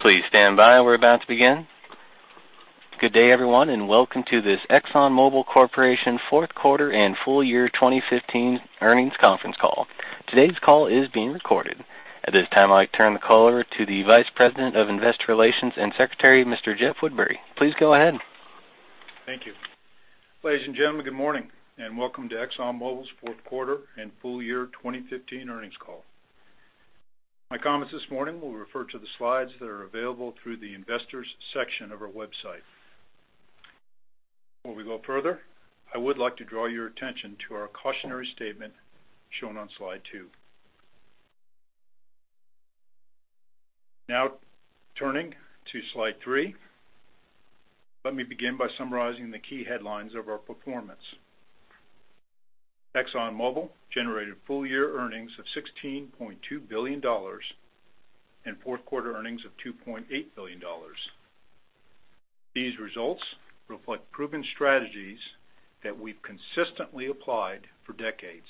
Please stand by. We're about to begin. Good day, everyone, and welcome to this ExxonMobil Corporation fourth quarter and full year 2015 earnings conference call. Today's call is being recorded. At this time, I'd like to turn the call over to the Vice President of Investor Relations and Secretary, Mr. Jeff Woodbury. Please go ahead. Thank you. Ladies and gentlemen, good morning, and welcome to ExxonMobil's fourth quarter and full year 2015 earnings call. My comments this morning will refer to the slides that are available through the Investors section of our website. Before we go further, I would like to draw your attention to our cautionary statement shown on slide two. Now turning to slide three. Let me begin by summarizing the key headlines of our performance. ExxonMobil generated full-year earnings of $16.2 billion and fourth-quarter earnings of $2.8 billion. These results reflect proven strategies that we've consistently applied for decades,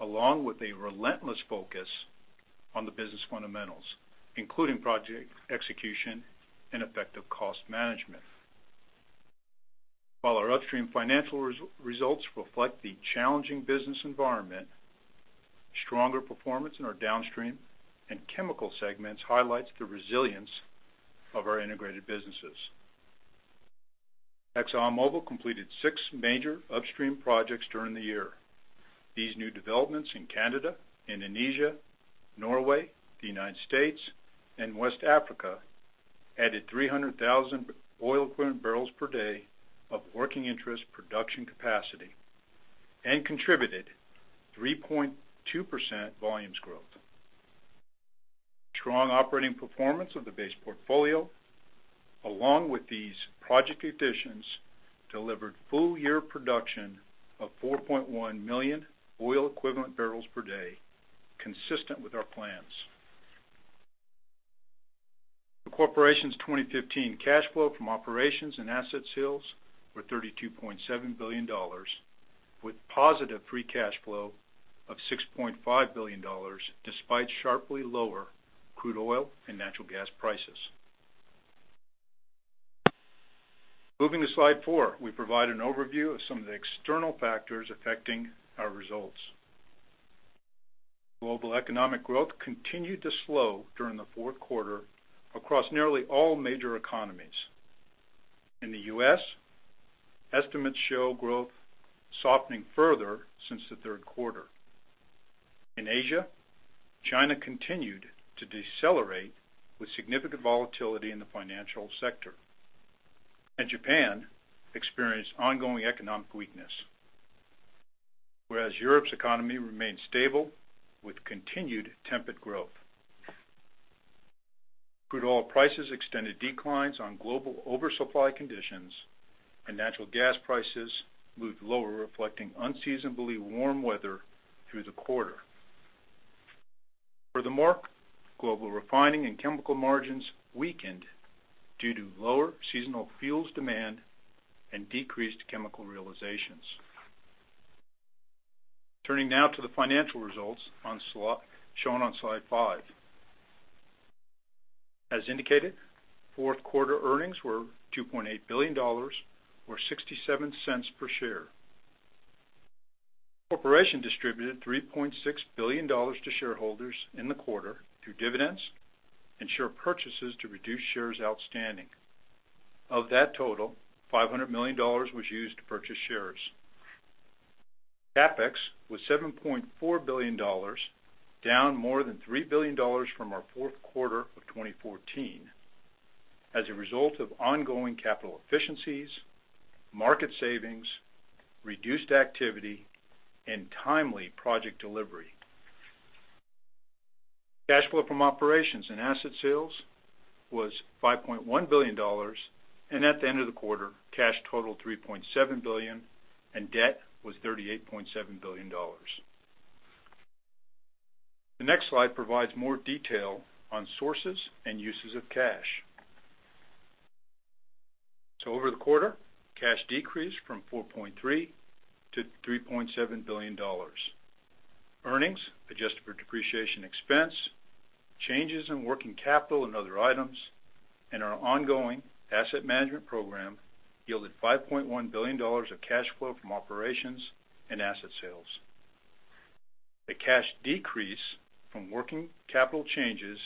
along with a relentless focus on the business fundamentals, including project execution and effective cost management. While our upstream financial results reflect the challenging business environment, stronger performance in our downstream and chemical segments highlights the resilience of our integrated businesses. ExxonMobil completed six major upstream projects during the year. These new developments in Canada, Indonesia, Norway, the United States, and West Africa added 300,000 oil equivalent barrels per day of working interest production capacity and contributed 3.2% volumes growth. Strong operating performance of the base portfolio along with these project additions delivered full-year production of 4.1 million oil equivalent barrels per day, consistent with our plans. The corporation's 2015 cash flow from operations and asset sales were $32.7 billion, with positive free cash flow of $6.5 billion, despite sharply lower crude oil and natural gas prices. Moving to slide four, we provide an overview of some of the external factors affecting our results. Global economic growth continued to slow during the fourth quarter across nearly all major economies. In the U.S., estimates show growth softening further since the third quarter. In Asia, China continued to decelerate with significant volatility in the financial sector, and Japan experienced ongoing economic weakness, whereas Europe's economy remained stable with continued temperate growth. Crude oil prices extended declines on global oversupply conditions, and natural gas prices moved lower, reflecting unseasonably warm weather through the quarter. Furthermore, global refining and chemical margins weakened due to lower seasonal fuels demand and decreased chemical realizations. Turning now to the financial results shown on slide five. As indicated, fourth quarter earnings were $2.8 billion, or $0.67 per share. Corporation distributed $3.6 billion to shareholders in the quarter through dividends and share purchases to reduce shares outstanding. Of that total, $500 million was used to purchase shares. CapEx was $7.4 billion, down more than $3 billion from our fourth quarter of 2014 as a result of ongoing capital efficiencies, market savings, reduced activity, and timely project delivery. Cash flow from operations and asset sales was $5.1 billion. At the end of the quarter, cash totaled $3.7 billion and debt was $38.7 billion. The next slide provides more detail on sources and uses of cash. Over the quarter, cash decreased from $4.3 billion to $3.7 billion. Earnings adjusted for depreciation expense, changes in working capital and other items, and our ongoing asset management program yielded $5.1 billion of cash flow from operations and asset sales. The cash decrease from working capital changes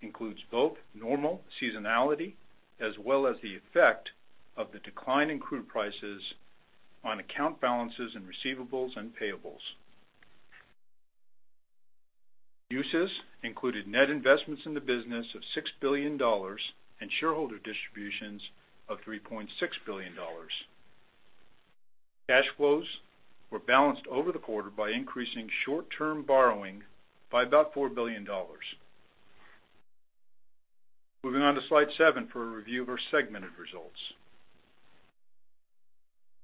includes both normal seasonality as well as the effect of the decline in crude prices on account balances and receivables and payables. Uses included net investments in the business of $6 billion and shareholder distributions of $3.6 billion. Cash flows were balanced over the quarter by increasing short-term borrowing by about $4 billion. Moving on to slide seven for a review of our segmented results.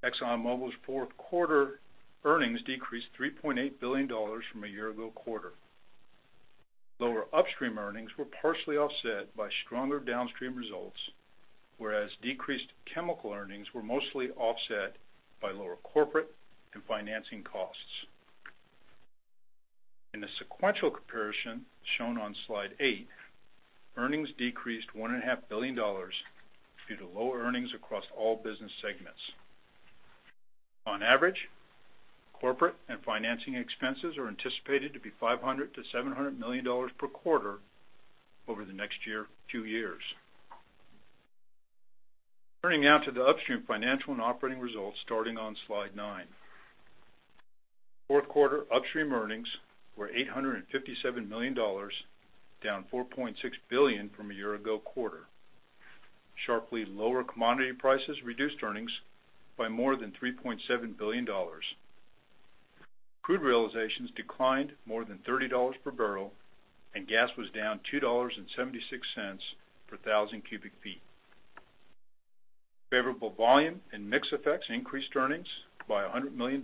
ExxonMobil's fourth quarter earnings decreased $3.8 billion from a year-ago quarter. Lower upstream earnings were partially offset by stronger downstream results. Decreased chemical earnings were mostly offset by lower corporate and financing costs. In the sequential comparison shown on slide eight, earnings decreased $1.5 billion due to lower earnings across all business segments. On average, corporate and financing expenses are anticipated to be $500 million to $700 million per quarter over the next few years. Turning now to the upstream financial and operating results, starting on slide nine. Fourth quarter upstream earnings were $857 million, down $4.6 billion from a year-ago quarter. Sharply lower commodity prices reduced earnings by more than $3.7 billion. Crude realizations declined more than $30 per barrel, and gas was down $2.76 per thousand cubic feet. Favorable volume and mix effects increased earnings by $100 million.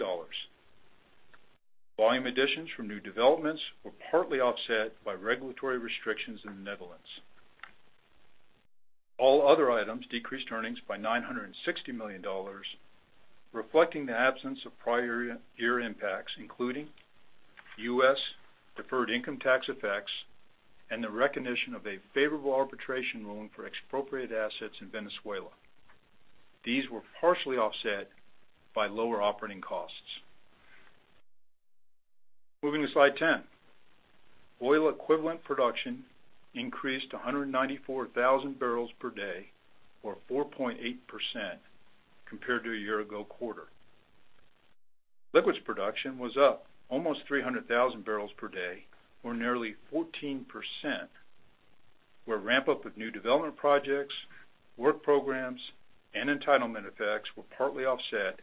Volume additions from new developments were partly offset by regulatory restrictions in the Netherlands. All other items decreased earnings by $960 million, reflecting the absence of prior year impacts, including U.S. deferred income tax effects and the recognition of a favorable arbitration ruling for expropriated assets in Venezuela. These were partially offset by lower operating costs. Moving to slide 10. Oil equivalent production increased to 194,000 barrels per day or 4.8% compared to a year-ago quarter. Liquids production was up almost 300,000 barrels per day, or nearly 14%, where ramp-up of new development projects, work programs, and entitlement effects were partly offset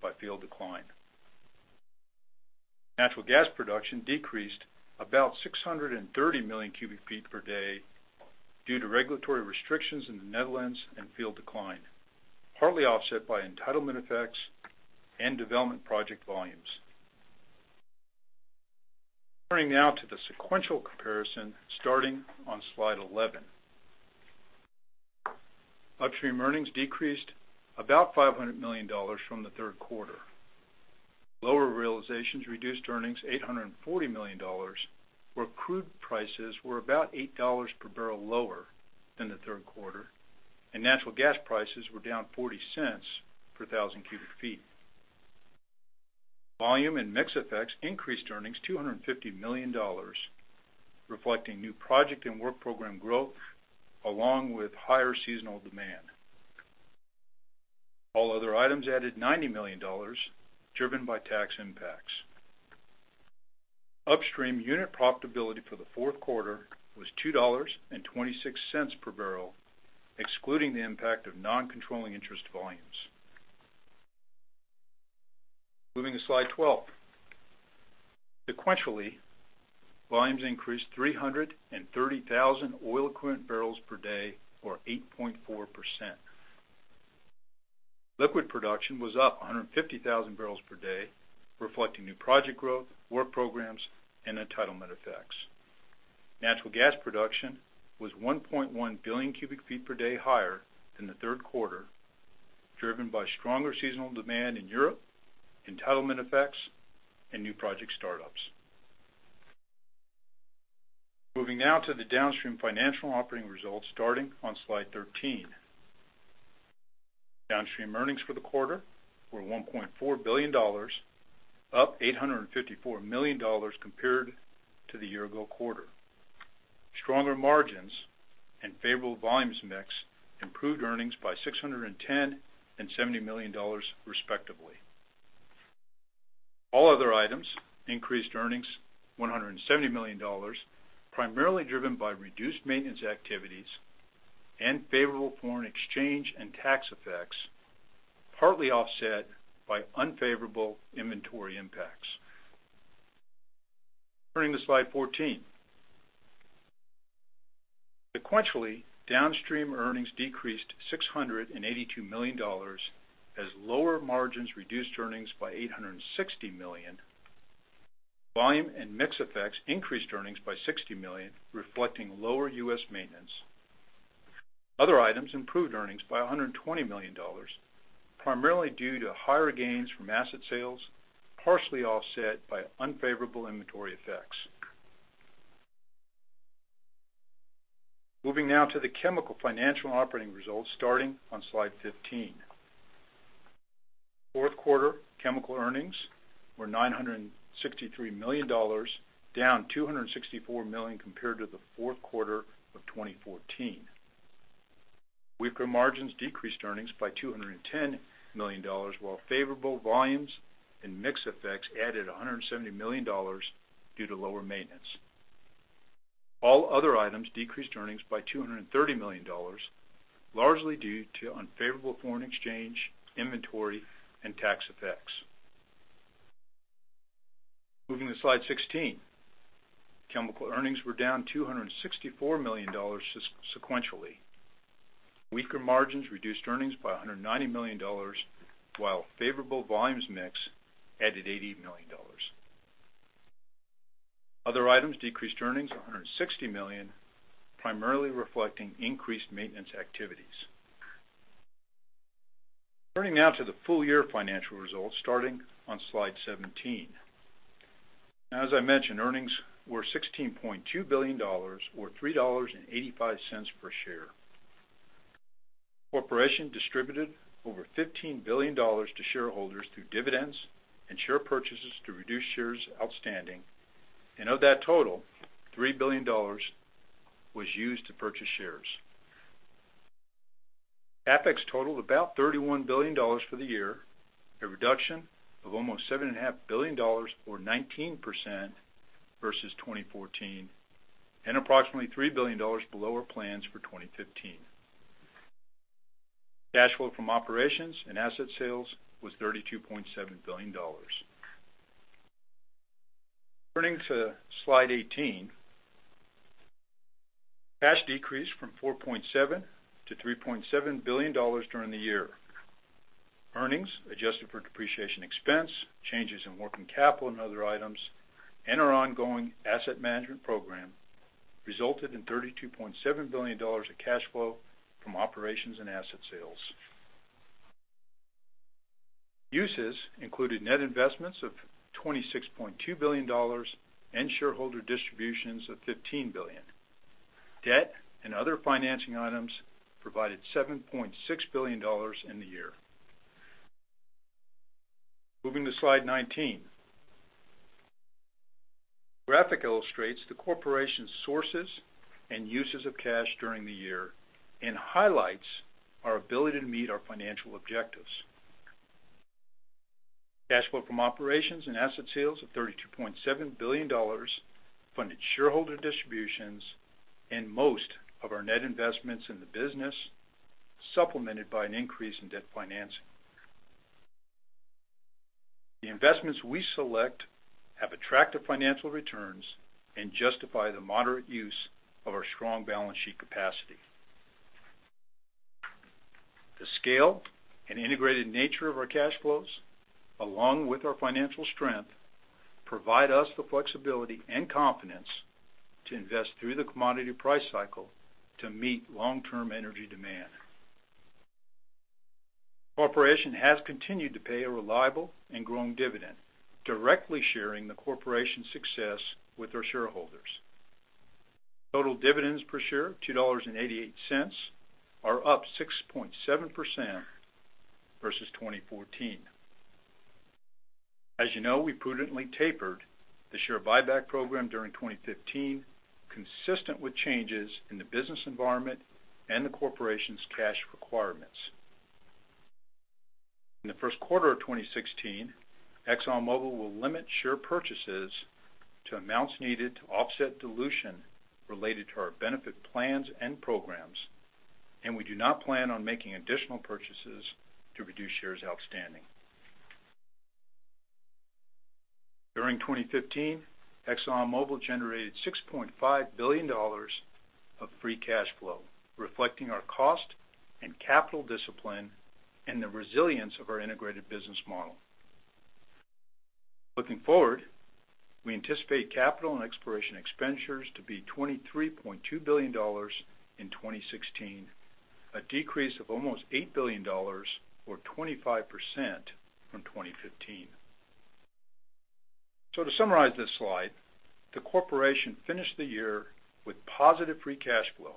by field decline. Natural gas production decreased about 630 million cubic feet per day due to regulatory restrictions in the Netherlands and field decline, partly offset by entitlement effects and development project volumes. Turning now to the sequential comparison starting on slide 11. Upstream earnings decreased about $500 million from the third quarter. Lower realizations reduced earnings $840 million, where crude prices were about $8 per barrel lower than the third quarter, and natural gas prices were down $0.40 per thousand cubic feet. Volume and mix effects increased earnings $250 million, reflecting new project and work program growth, along with higher seasonal demand. All other items added $90 million, driven by tax impacts. Upstream unit profitability for the fourth quarter was $2.26 per barrel, excluding the impact of non-controlling interest volumes. Moving to slide 12. Sequentially, volumes increased 330,000 oil equivalent barrels per day or 8.4%. Liquid production was up 150,000 barrels per day, reflecting new project growth, work programs, and entitlement effects. Natural gas production was 1.1 billion cubic feet per day higher than the third quarter, driven by stronger seasonal demand in Europe, entitlement effects, and new project startups. Moving now to the downstream financial operating results starting on slide 13. Downstream earnings for the quarter were $1.4 billion, up $854 million compared to the year-ago quarter. Stronger margins and favorable volumes mix improved earnings by $610 million and $70 million respectively. All other items increased earnings $170 million, primarily driven by reduced maintenance activities and favorable foreign exchange and tax effects, partly offset by unfavorable inventory impacts. Turning to slide 14. Sequentially, downstream earnings decreased $682 million as lower margins reduced earnings by $860 million. Volume and mix effects increased earnings by $60 million, reflecting lower U.S. maintenance. Other items improved earnings by $120 million, primarily due to higher gains from asset sales, partially offset by unfavorable inventory effects. Moving now to the chemical financial and operating results starting on slide 15. Fourth quarter chemical earnings were $963 million, down $264 million compared to the fourth quarter of 2014. Weaker margins decreased earnings by $210 million while favorable volumes and mix effects added $170 million due to lower maintenance. All other items decreased earnings by $230 million, largely due to unfavorable foreign exchange, inventory, and tax effects. Moving to slide 16. Chemical earnings were down $264 million sequentially. Weaker margins reduced earnings by $190 million while favorable volumes mix added $80 million. Other items decreased earnings $160 million, primarily reflecting increased maintenance activities. Turning now to the full-year financial results, starting on slide 17. As I mentioned, earnings were $16.2 billion, or $3.85 per share. Corporation distributed over $15 billion to shareholders through dividends and share purchases to reduce shares outstanding. Of that total, $3 billion was used to purchase shares. CapEx totaled about $31 billion for the year, a reduction of almost $7.5 billion, or 19%, versus 2014, and approximately $3 billion below our plans for 2015. Cash flow from operations and asset sales was $32.7 billion. Turning to slide 18. Cash decreased from $4.7 billion to $3.7 billion during the year. Earnings, adjusted for depreciation expense, changes in working capital and other items, and our ongoing asset management program, resulted in $32.7 billion of cash flow from operations and asset sales. Uses included net investments of $26.2 billion and shareholder distributions of $15 billion. Debt and other financing items provided $7.6 billion in the year. Moving to slide 19. Graphic illustrates the Corporation's sources and uses of cash during the year and highlights our ability to meet our financial objectives. Cash flow from operations and asset sales of $32.7 billion funded shareholder distributions and most of our net investments in the business, supplemented by an increase in debt financing. The investments we select have attractive financial returns and justify the moderate use of our strong balance sheet capacity. The scale and integrated nature of our cash flows, along with our financial strength, provide us the flexibility and confidence to invest through the commodity price cycle to meet long-term energy demand. Corporation has continued to pay a reliable and growing dividend, directly sharing the Corporation's success with our shareholders. Total dividends per share, $2.88, are up 6.7% versus 2014. As you know, we prudently tapered the share buyback program during 2015, consistent with changes in the business environment and the Corporation's cash requirements. In the first quarter of 2016, ExxonMobil will limit share purchases to amounts needed to offset dilution related to our benefit plans and programs, and we do not plan on making additional purchases to reduce shares outstanding. During 2015, ExxonMobil generated $6.5 billion of free cash flow, reflecting our cost and capital discipline and the resilience of our integrated business model. Looking forward, we anticipate capital and exploration expenditures to be $23.2 billion in 2016, a decrease of almost $8 billion, or 25%, from 2015. To summarize this slide, the corporation finished the year with positive free cash flow.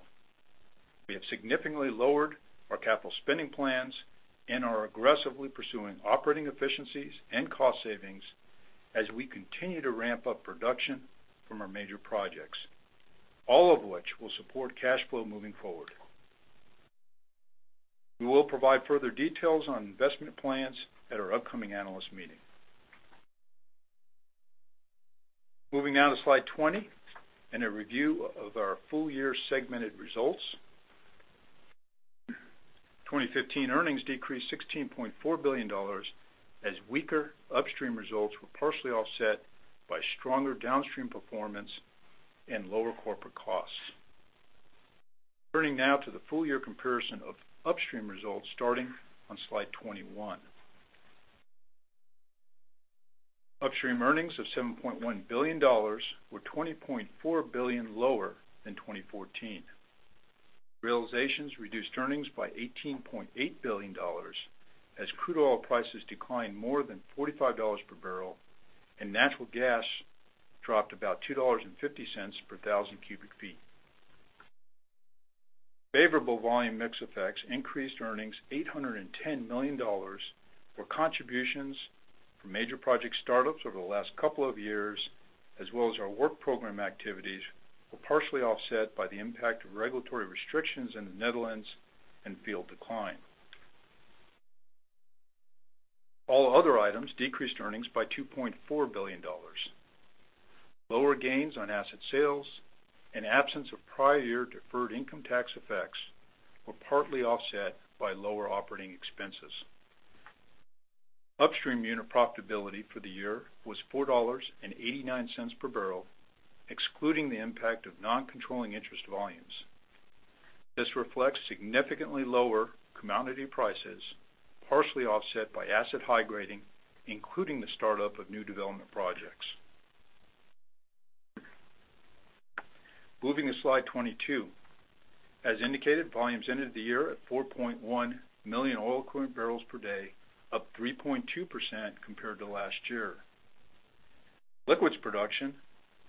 We have significantly lowered our capital spending plans and are aggressively pursuing operating efficiencies and cost savings as we continue to ramp up production from our major projects, all of which will support cash flow moving forward. We will provide further details on investment plans at our upcoming analyst meeting. Moving now to slide 20 and a review of our full-year segmented results. 2015 earnings decreased $16.4 billion as weaker upstream results were partially offset by stronger downstream performance and lower corporate costs. Turning now to the full-year comparison of upstream results starting on slide 21. Upstream earnings of $7.1 billion were $20.4 billion lower than 2014. Realizations reduced earnings by $18.8 billion as crude oil prices declined more than $45 per barrel and natural gas dropped about $2.50 per thousand cubic feet. Favorable volume mix effects increased earnings $810 million for contributions from major project startups over the last couple of years, as well as our work program activities were partially offset by the impact of regulatory restrictions in the Netherlands and field decline. All other items decreased earnings by $2.4 billion. Lower gains on asset sales and absence of prior year deferred income tax effects were partly offset by lower operating expenses. Upstream unit profitability for the year was $4.89 per barrel, excluding the impact of non-controlling interest volumes. This reflects significantly lower commodity prices, partially offset by asset high grading, including the startup of new development projects. Moving to slide 22. As indicated, volumes ended the year at 4.1 million oil equivalent barrels per day, up 3.2% compared to last year. Liquids production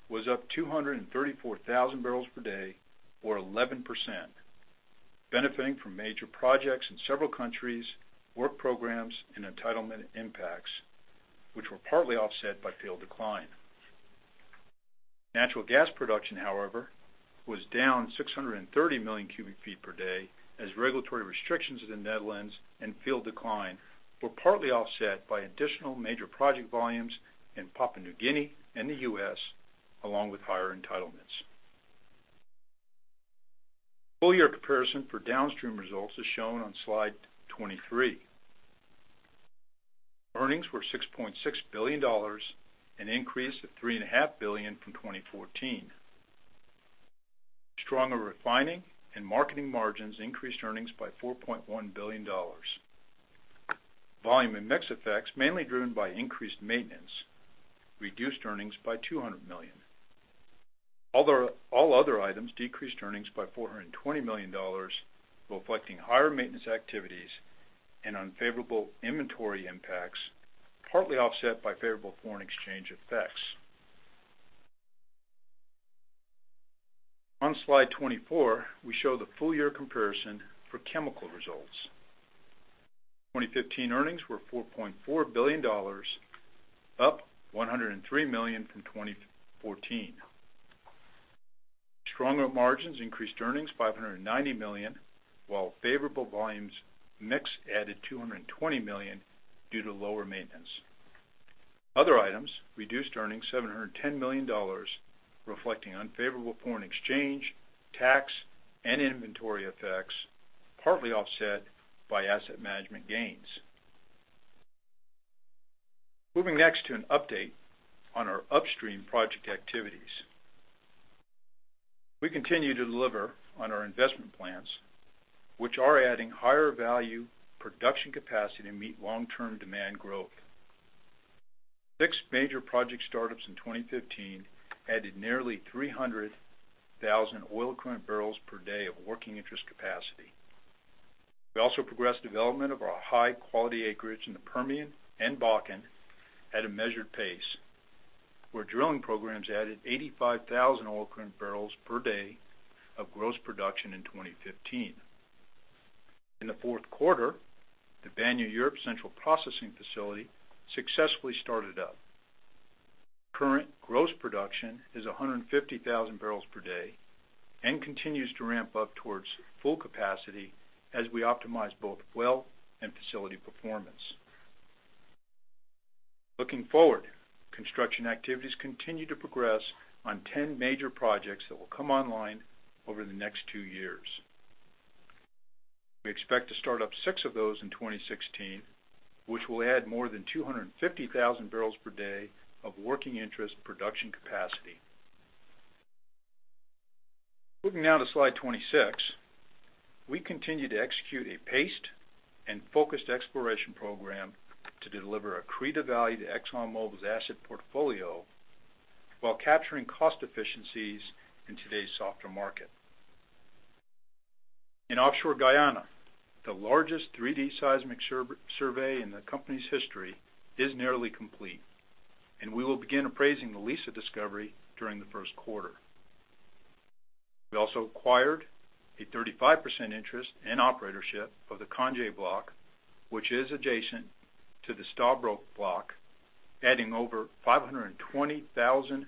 was up 234,000 barrels per day or 11%, benefiting from major projects in several countries, work programs and entitlement impacts, which were partly offset by field decline. Natural gas production, however, was down 630 million cubic feet per day as regulatory restrictions in the Netherlands and field decline were partly offset by additional major project volumes in Papua New Guinea and the U.S., along with higher entitlements. Full year comparison for downstream results is shown on slide 23. Earnings were $6.6 billion, an increase of $3.5 billion from 2014. Stronger refining and marketing margins increased earnings by $4.1 billion. Volume and mix effects, mainly driven by increased maintenance, reduced earnings by $200 million. All other items decreased earnings by $420 million, reflecting higher maintenance activities and unfavorable inventory impacts, partly offset by favorable foreign exchange effects. On slide 24, we show the full year comparison for chemical results. 2015 earnings were $4.4 billion, up $103 million from 2014. Stronger margins increased earnings $590 million while favorable volumes mix added $220 million due to lower maintenance. Other items reduced earnings $710 million, reflecting unfavorable foreign exchange, tax, and inventory effects, partly offset by asset management gains. Moving next to an update on our upstream project activities. We continue to deliver on our investment plans, which are adding higher value production capacity to meet long-term demand growth. Six major project startups in 2015 added nearly 300,000 oil equivalent barrels per day of working interest capacity. We also progressed development of our high-quality acreage in the Permian and Bakken at a measured pace, where drilling programs added 85,000 oil equivalent barrels per day of gross production in 2015. In the fourth quarter, the Banyu Urip central processing facility successfully started up. Current gross production is 150,000 barrels per day and continues to ramp up towards full capacity as we optimize both well and facility performance. Looking forward, construction activities continue to progress on 10 major projects that will come online over the next two years. We expect to start up six of those in 2016, which will add more than 250,000 barrels per day of working interest production capacity. Moving now to slide 26. We continue to execute a paced and focused exploration program to deliver accretive value to ExxonMobil's asset portfolio while capturing cost efficiencies in today's softer market. In offshore Guyana, the largest 3D seismic survey in the company's history is nearly complete, we will begin appraising the Liza discovery during the first quarter. We also acquired a 35% interest in operatorship of the Canje block, which is adjacent to the Stabroek block, adding over 520,000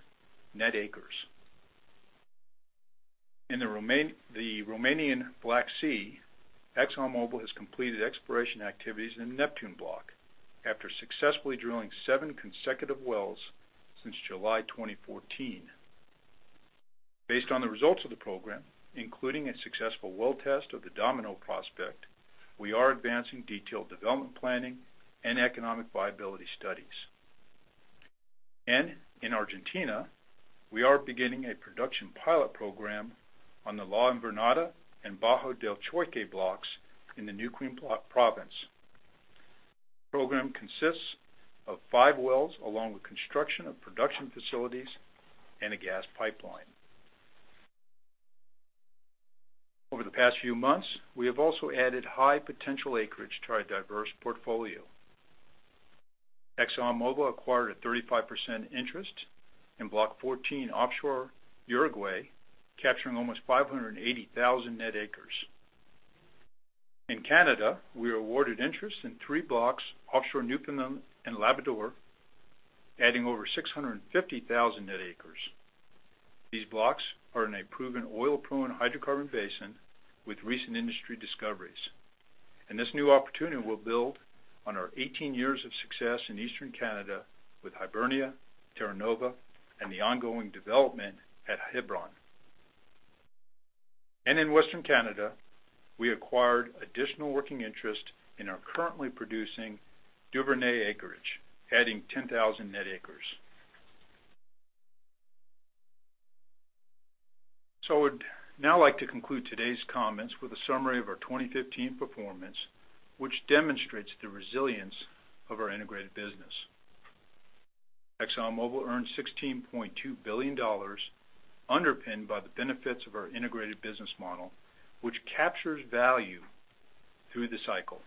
net acres. In the Romanian Black Sea, ExxonMobil has completed exploration activities in the Neptune block after successfully drilling seven consecutive wells since July 2014. Based on the results of the program, including a successful well test of the Domino prospect, we are advancing detailed development planning and economic viability studies. In Argentina, we are beginning a production pilot program on the La Invernada and Bajo del Choique blocks in the Neuquén province. The program consists of five wells along with construction of production facilities and a gas pipeline. Over the past few months, we have also added high potential acreage to our diverse portfolio. ExxonMobil acquired a 35% interest in Block 14 offshore Uruguay, capturing almost 580,000 net acres. In Canada, we were awarded interest in three blocks offshore Newfoundland and Labrador, adding over 650,000 net acres. These blocks are in a proven oil-prone hydrocarbon basin with recent industry discoveries. This new opportunity will build on our 18 years of success in eastern Canada with Hibernia, Terra Nova, and the ongoing development at Hebron. In western Canada, we acquired additional working interest in our currently producing Duvernay acreage, adding 10,000 net acres. I would now like to conclude today's comments with a summary of our 2015 performance, which demonstrates the resilience of our integrated business. ExxonMobil earned $16.2 billion, underpinned by the benefits of our integrated business model, which captures value through the cycle,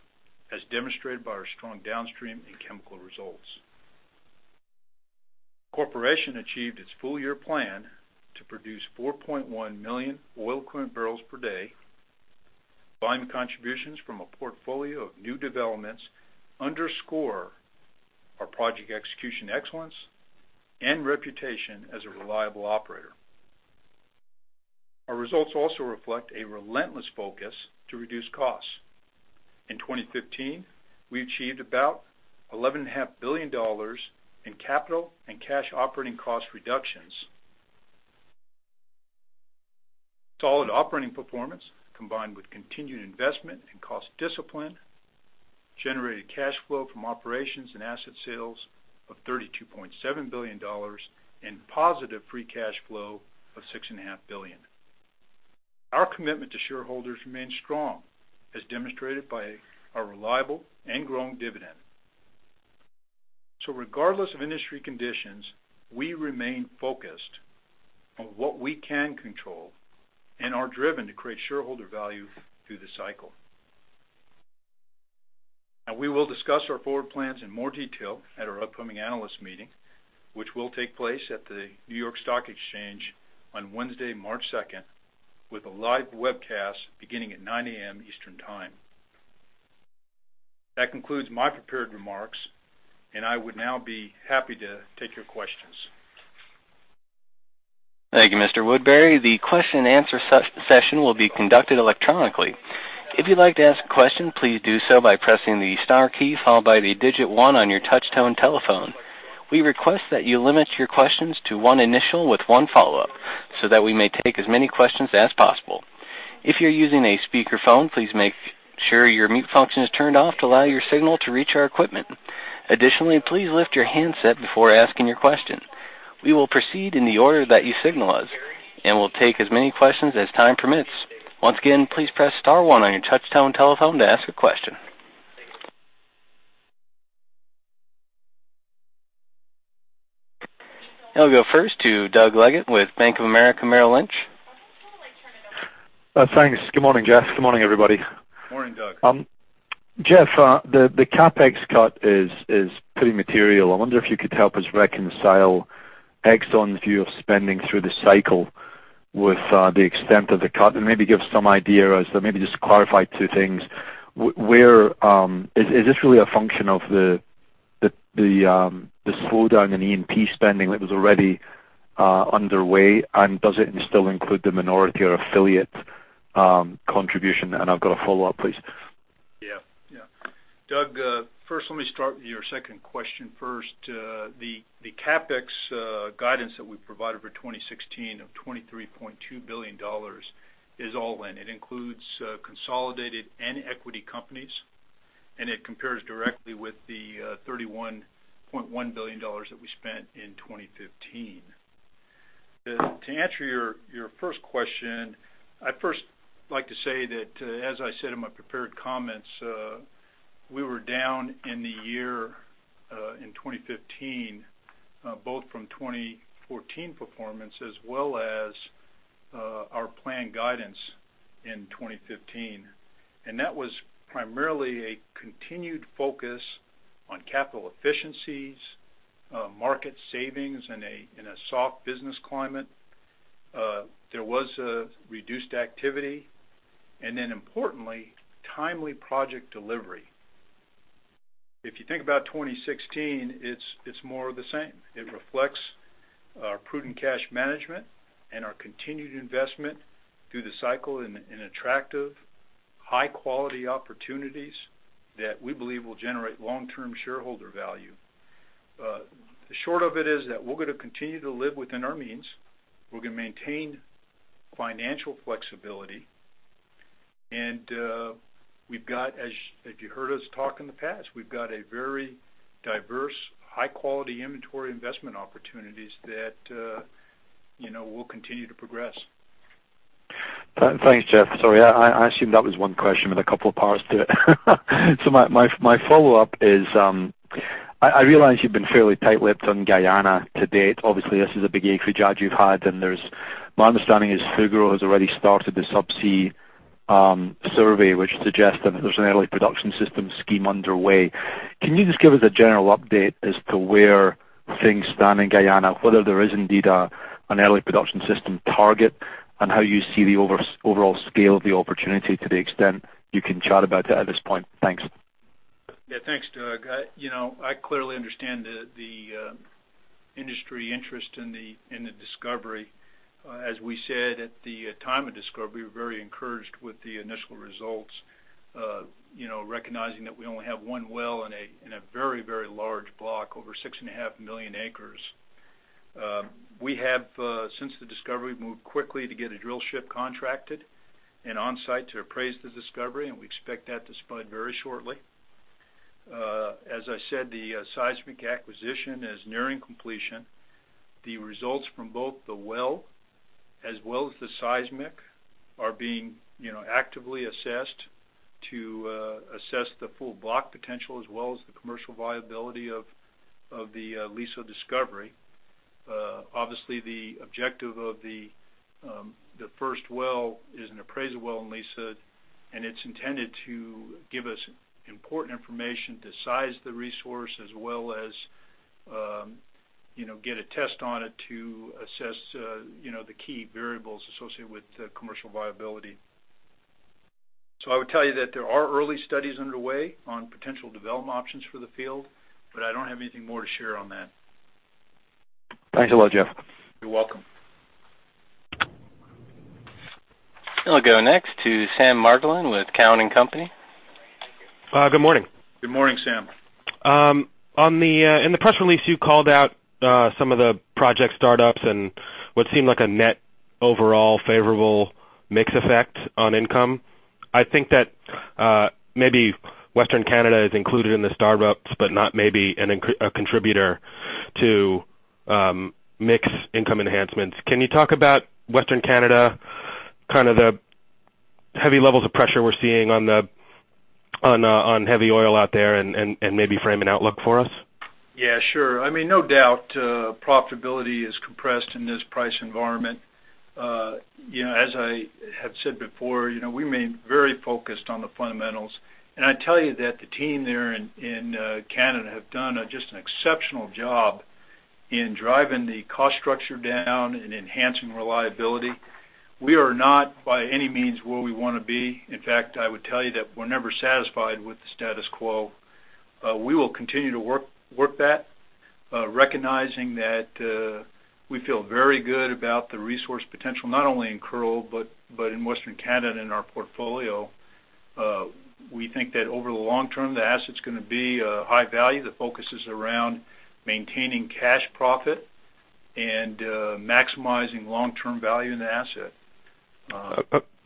as demonstrated by our strong downstream and chemical results. The corporation achieved its full-year plan to produce 4.1 million oil equivalent barrels per day. Volume contributions from a portfolio of new developments underscore our project execution excellence and reputation as a reliable operator. Our results also reflect a relentless focus to reduce costs. In 2015, we achieved about $11.5 billion in capital and cash operating cost reductions. Solid operating performance, combined with continued investment and cost discipline, generated cash flow from operations and asset sales of $32.7 billion and positive free cash flow of $6.5 billion. Our commitment to shareholders remains strong, as demonstrated by our reliable and growing dividend. Regardless of industry conditions, we remain focused on what we can control and are driven to create shareholder value through the cycle. We will discuss our forward plans in more detail at our upcoming analyst meeting, which will take place at the New York Stock Exchange on Wednesday, March 2nd, with a live webcast beginning at 9:00 A.M. Eastern Time. That concludes my prepared remarks, and I would now be happy to take your questions. Thank you, Mr. Woodbury. The question and answer session will be conducted electronically. If you'd like to ask a question, please do so by pressing the star key followed by the digit 1 on your touchtone telephone. We request that you limit your questions to one initial with one follow-up so that we may take as many questions as possible. If you're using a speakerphone, please make sure your mute function is turned off to allow your signal to reach our equipment. Additionally, please lift your handset before asking your question. We will proceed in the order that you signal us, and we'll take as many questions as time permits. Once again, please press star one on your touchtone telephone to ask a question. I'll go first to Doug Leggate with Bank of America Merrill Lynch. Thanks. Good morning, Jeff. Good morning, everybody. Morning, Doug. Jeff, the CapEx cut is pretty material. I wonder if you could help us reconcile Exxon's view of spending through the cycle with the extent of the cut, and maybe give some idea as to maybe just clarify two things. Is this really a function of the slowdown in E&P spending that was already underway? Does it still include the minority or affiliate contribution? I've got a follow-up, please. Yeah. Doug, first let me start with your second question first. The CapEx guidance that we provided for 2016 of $23.2 billion is all in. It includes consolidated and equity affiliates, and it compares directly with the $31.1 billion that we spent in 2015. To answer your first question, I'd first like to say that, as I said in my prepared comments, we were down in the year in 2015, both from 2014 performance as well as our planned guidance in 2015. That was primarily a continued focus on capital efficiencies, market savings in a soft business climate. There was a reduced activity, and then importantly, timely project delivery. If you think about 2016, it's more of the same. It reflects our prudent cash management and our continued investment through the cycle in attractive, high-quality opportunities that we believe will generate long-term shareholder value. The short of it is that we're going to continue to live within our means. We're going to maintain financial flexibility. If you heard us talk in the past, we've got a very diverse, high-quality inventory investment opportunities that will continue to progress. Thanks, Jeff. Sorry, I assumed that was one question with a couple of parts to it. My follow-up is, I realize you've been fairly tight-lipped on Guyana to date. Obviously, this is a big acreage ad you've had, and my understanding is Fugro has already started the subsea survey, which suggests that there's an early production system scheme underway. Can you just give us a general update as to where things stand in Guyana, whether there is indeed an early production system target, and how you see the overall scale of the opportunity to the extent you can chat about it at this point? Thanks. Yeah, thanks, Doug. I clearly understand the industry interest in the discovery. As we said at the time of discovery, we were very encouraged with the initial results, recognizing that we only have one well in a very large block, over six and a half million acres. We have, since the discovery, moved quickly to get a drill ship contracted and on-site to appraise the discovery, and we expect that to spud very shortly. As I said, the seismic acquisition is nearing completion. The results from both the well, as well as the seismic, are being actively assessed to assess the full block potential as well as the commercial viability of the Liza discovery. Obviously, the objective of the first well is an appraisal well on Liza, and it's intended to give us important information to size the resource as well as get a test on it to assess the key variables associated with commercial viability. I would tell you that there are early studies underway on potential development options for the field, but I don't have anything more to share on that. Thanks a lot, Jeff. You're welcome. I'll go next to Sam Margolin with Cowen and Company. Good morning. Good morning, Sam. In the press release, you called out some of the project startups and what seemed like a net overall favorable mix effect on income. I think that maybe Western Canada is included in the startups, but not maybe a contributor to mix income enhancements. Can you talk about Western Canada, kind of the heavy levels of pressure we're seeing on heavy oil out there and maybe frame an outlook for us? Yeah, sure. No doubt profitability is compressed in this price environment. As I have said before, we remain very focused on the fundamentals. I tell you that the team there in Canada have done just an exceptional job in driving the cost structure down and enhancing reliability. We are not by any means where we want to be. In fact, I would tell you that we're never satisfied with the status quo. We will continue to work that recognizing that we feel very good about the resource potential, not only in Kearl but in Western Canada in our portfolio. We think that over the long term, the asset's going to be a high value that focuses around maintaining cash profit and maximizing long-term value in the asset.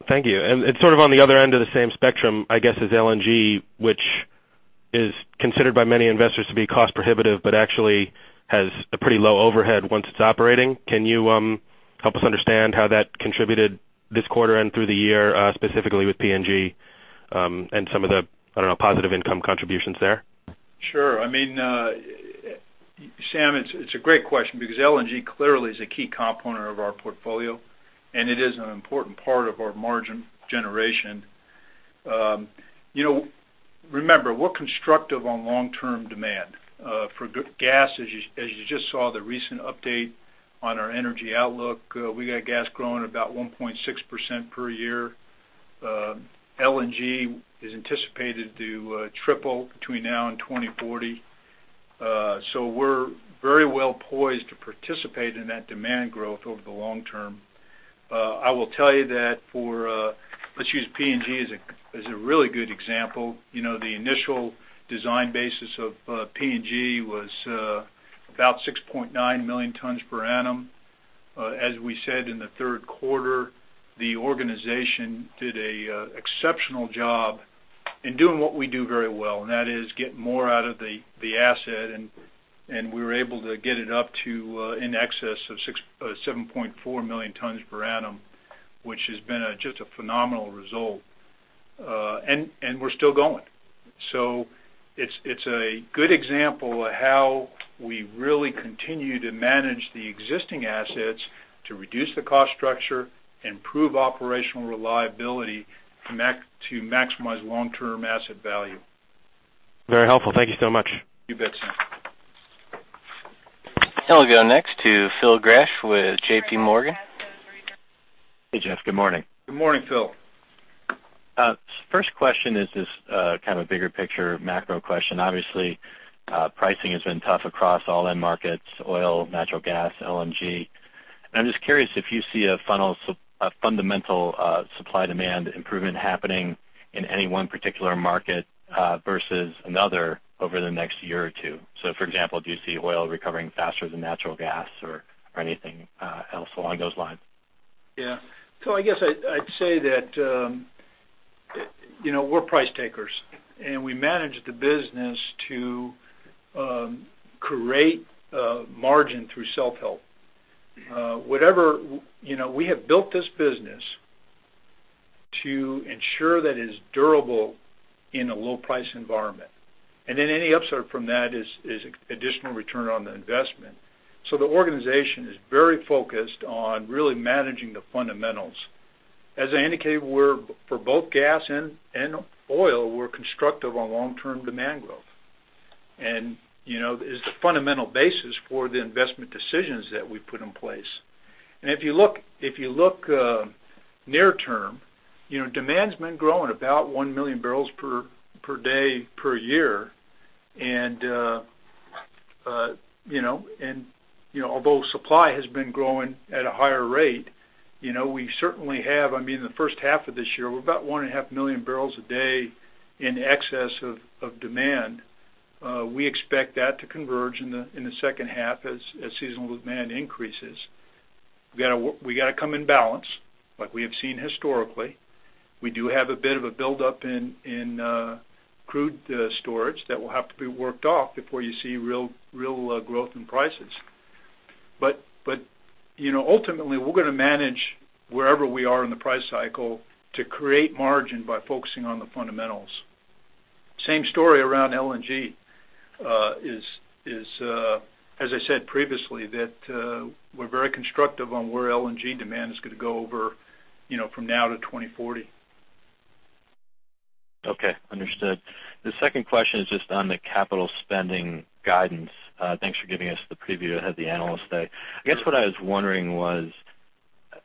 Thank you. Sort of on the other end of the same spectrum, I guess, is LNG, which is considered by many investors to be cost prohibitive, but actually has a pretty low overhead once it's operating. Can you help us understand how that contributed this quarter and through the year, specifically with PNG and some of the, I don't know, positive income contributions there? Sure. Sam, it's a great question because LNG clearly is a key component of our portfolio, and it is an important part of our margin generation. Remember, we're constructive on long-term demand for gas, as you just saw the recent update on our energy outlook. We got gas growing about 1.6% per year. LNG is anticipated to triple between now and 2040. We're very well poised to participate in that demand growth over the long term. I will tell you that let's use PNG as a really good example. The initial design basis of PNG was about 6.9 million tons per annum. As we said in the third quarter, the organization did an exceptional job in doing what we do very well, and that is getting more out of the asset, and we were able to get it up to in excess of 7.4 million tons per annum, which has been just a phenomenal result. We're still going. It's a good example of how we really continue to manage the existing assets to reduce the cost structure, improve operational reliability to maximize long-term asset value. Very helpful. Thank you so much. You bet, Sam. We'll go next to Phil Gresh with JPMorgan. Hey, Jeff. Good morning. Good morning, Phil. First question is this kind of bigger picture macro question. Obviously, pricing has been tough across all end markets, oil, natural gas, LNG. I'm just curious if you see a fundamental supply-demand improvement happening in any one particular market versus another over the next year or two. For example, do you see oil recovering faster than natural gas or anything else along those lines? Yeah. Phil, I guess I'd say that we're price takers, and we manage the business to create margin through self-help. We have built this business to ensure that it is durable in a low price environment. Then any upstart from that is additional return on the investment. The organization is very focused on really managing the fundamentals. As I indicated, for both gas and oil, we're constructive on long-term demand growth. It's the fundamental basis for the investment decisions that we put in place. If you look near term, demand's been growing about 1 million barrels per day per year. Although supply has been growing at a higher rate, in the first half of this year, we're about 1.5 million barrels a day in excess of demand. We expect that to converge in the second half as seasonal demand increases. We got to come in balance like we have seen historically. We do have a bit of a buildup in crude storage that will have to be worked off before you see real growth in prices. Ultimately, we're going to manage wherever we are in the price cycle to create margin by focusing on the fundamentals. Same story around LNG, as I said previously, that we're very constructive on where LNG demand is going to go over from now to 2040. Okay, understood. The second question is just on the capital spending guidance. Thanks for giving us the preview ahead of the Analyst Day. I guess what I was wondering was,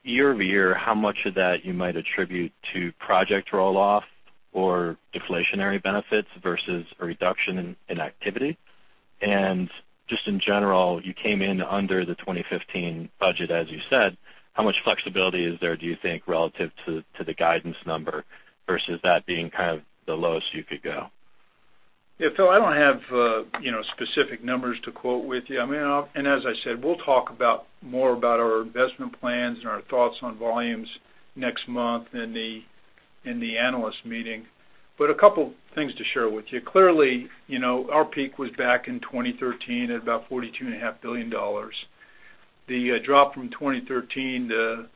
year-over-year, how much of that you might attribute to project roll-off or deflationary benefits versus a reduction in activity? Just in general, you came in under the 2015 budget, as you said, how much flexibility is there, do you think, relative to the guidance number versus that being kind of the lowest you could go? Yeah. Phil, I don't have specific numbers to quote with you. As I said, we'll talk more about our investment plans and our thoughts on volumes next month in the analyst meeting. A couple things to share with you. Clearly, our peak was back in 2013 at about $42.5 billion. The drop from 2013 to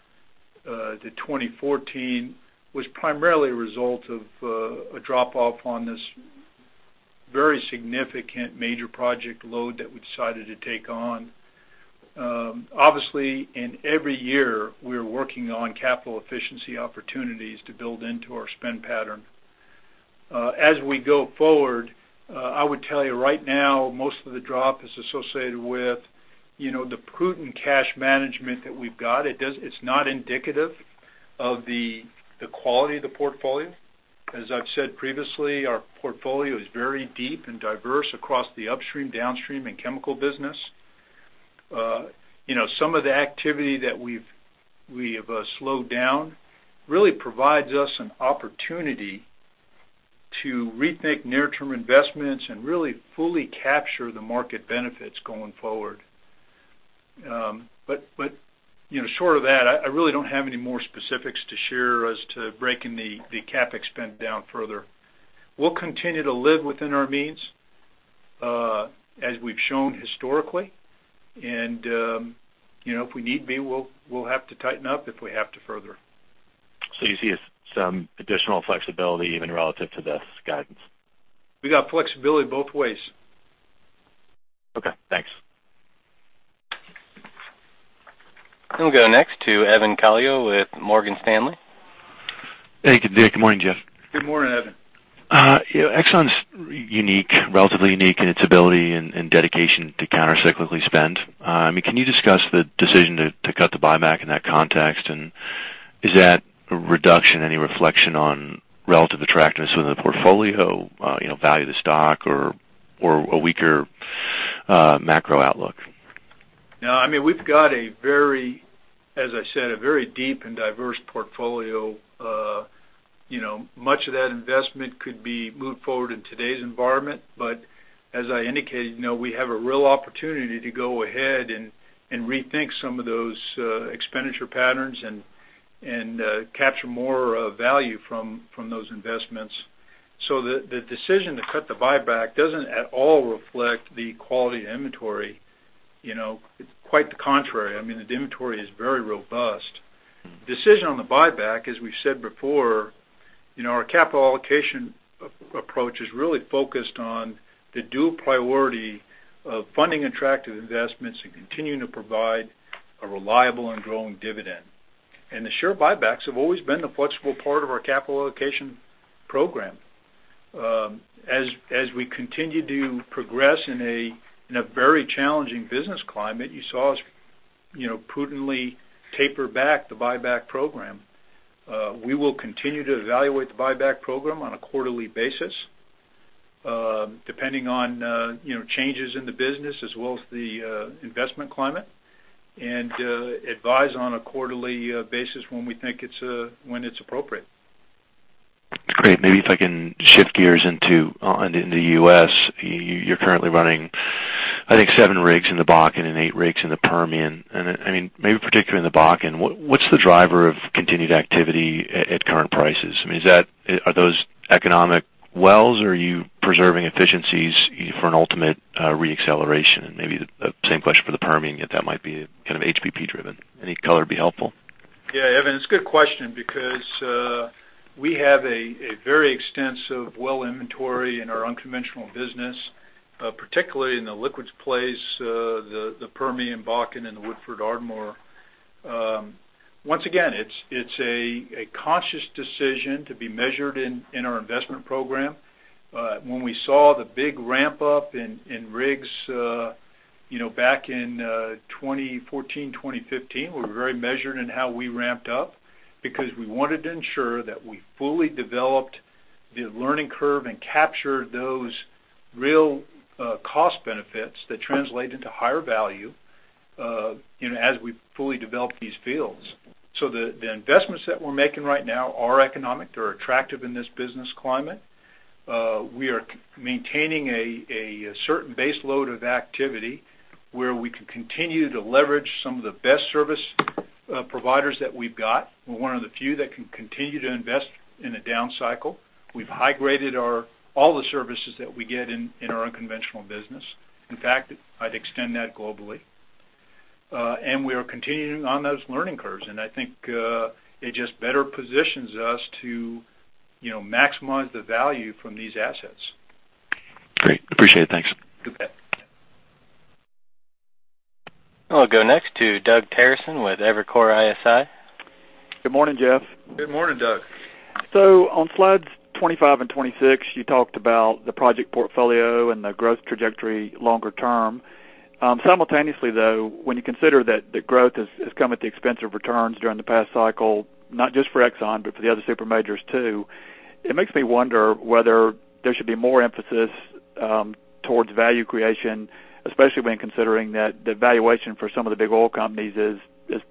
2014 was primarily a result of a drop-off on this very significant major project load that we decided to take on. Obviously, in every year, we are working on capital efficiency opportunities to build into our spend pattern. As we go forward, I would tell you right now, most of the drop is associated with the prudent cash management that we've got. It's not indicative of the quality of the portfolio. As I've said previously, our portfolio is very deep and diverse across the upstream, downstream, and chemical business. Some of the activity that we have slowed down really provides us an opportunity to rethink near-term investments and really fully capture the market benefits going forward. Short of that, I really don't have any more specifics to share as to breaking the CapEx spend down further. We'll continue to live within our means as we've shown historically. If we need be, we'll have to tighten up if we have to further. You see some additional flexibility even relative to this guidance? We got flexibility both ways. Okay, thanks. We'll go next to Evan Calio with Morgan Stanley. Hey, good day. Good morning, Jeff. Good morning, Evan. Exxon's unique, relatively unique in its ability and dedication to countercyclically spend. Can you discuss the decision to cut the buyback in that context? Is that reduction any reflection on relative attractiveness within the portfolio, value of the stock or a weaker macro outlook? No. We've got, as I said, a very deep and diverse portfolio. Much of that investment could be moved forward in today's environment. As I indicated, we have a real opportunity to go ahead and rethink some of those expenditure patterns and capture more value from those investments. The decision to cut the buyback doesn't at all reflect the quality of the inventory. Quite the contrary, the inventory is very robust. The decision on the buyback, as we've said before, our capital allocation approach is really focused on the dual priority of funding attractive investments and continuing to provide a reliable and growing dividend. The share buybacks have always been the flexible part of our capital allocation program. As we continue to progress in a very challenging business climate, you saw us prudently taper back the buyback program. We will continue to evaluate the buyback program on a quarterly basis depending on changes in the business as well as the investment climate, and advise on a quarterly basis when we think it's appropriate. Great. Maybe if I can shift gears into the U.S. You're currently running, I think, seven rigs in the Bakken and eight rigs in the Permian. Maybe particularly in the Bakken, what's the driver of continued activity at current prices? Are those economic wells or are you preserving efficiencies for an ultimate re-acceleration? Maybe the same question for the Permian, yet that might be kind of HBP driven. Any color would be helpful. Yeah, Evan, it's a good question because we have a very extensive well inventory in our unconventional business, particularly in the liquids plays the Permian Bakken and the Woodford Ardmore. Once again, it's a conscious decision to be measured in our investment program. When we saw the big ramp-up in rigs back in 2014, 2015, we were very measured in how we ramped up because we wanted to ensure that we fully developed the learning curve and captured those real cost benefits that translate into higher value as we fully developed these fields. The investments that we're making right now are economic. They're attractive in this business climate. We are maintaining a certain base load of activity where we can continue to leverage some of the best service providers that we've got. We're one of the few that can continue to invest in a down cycle. We've high-graded all the services that we get in our unconventional business. In fact, I'd extend that globally. We are continuing on those learning curves, and I think it just better positions us to maximize the value from these assets. Great. Appreciate it. Thanks. You bet. I'll go next to Doug Terreson with Evercore ISI. Good morning, Jeff. Good morning, Doug. On slides 25 and 26, you talked about the project portfolio and the growth trajectory longer term. Simultaneously, though, when you consider that the growth has come at the expense of returns during the past cycle, not just for Exxon, but for the other super majors too, it makes me wonder whether there should be more emphasis towards value creation, especially when considering that the valuation for some of the big oil companies is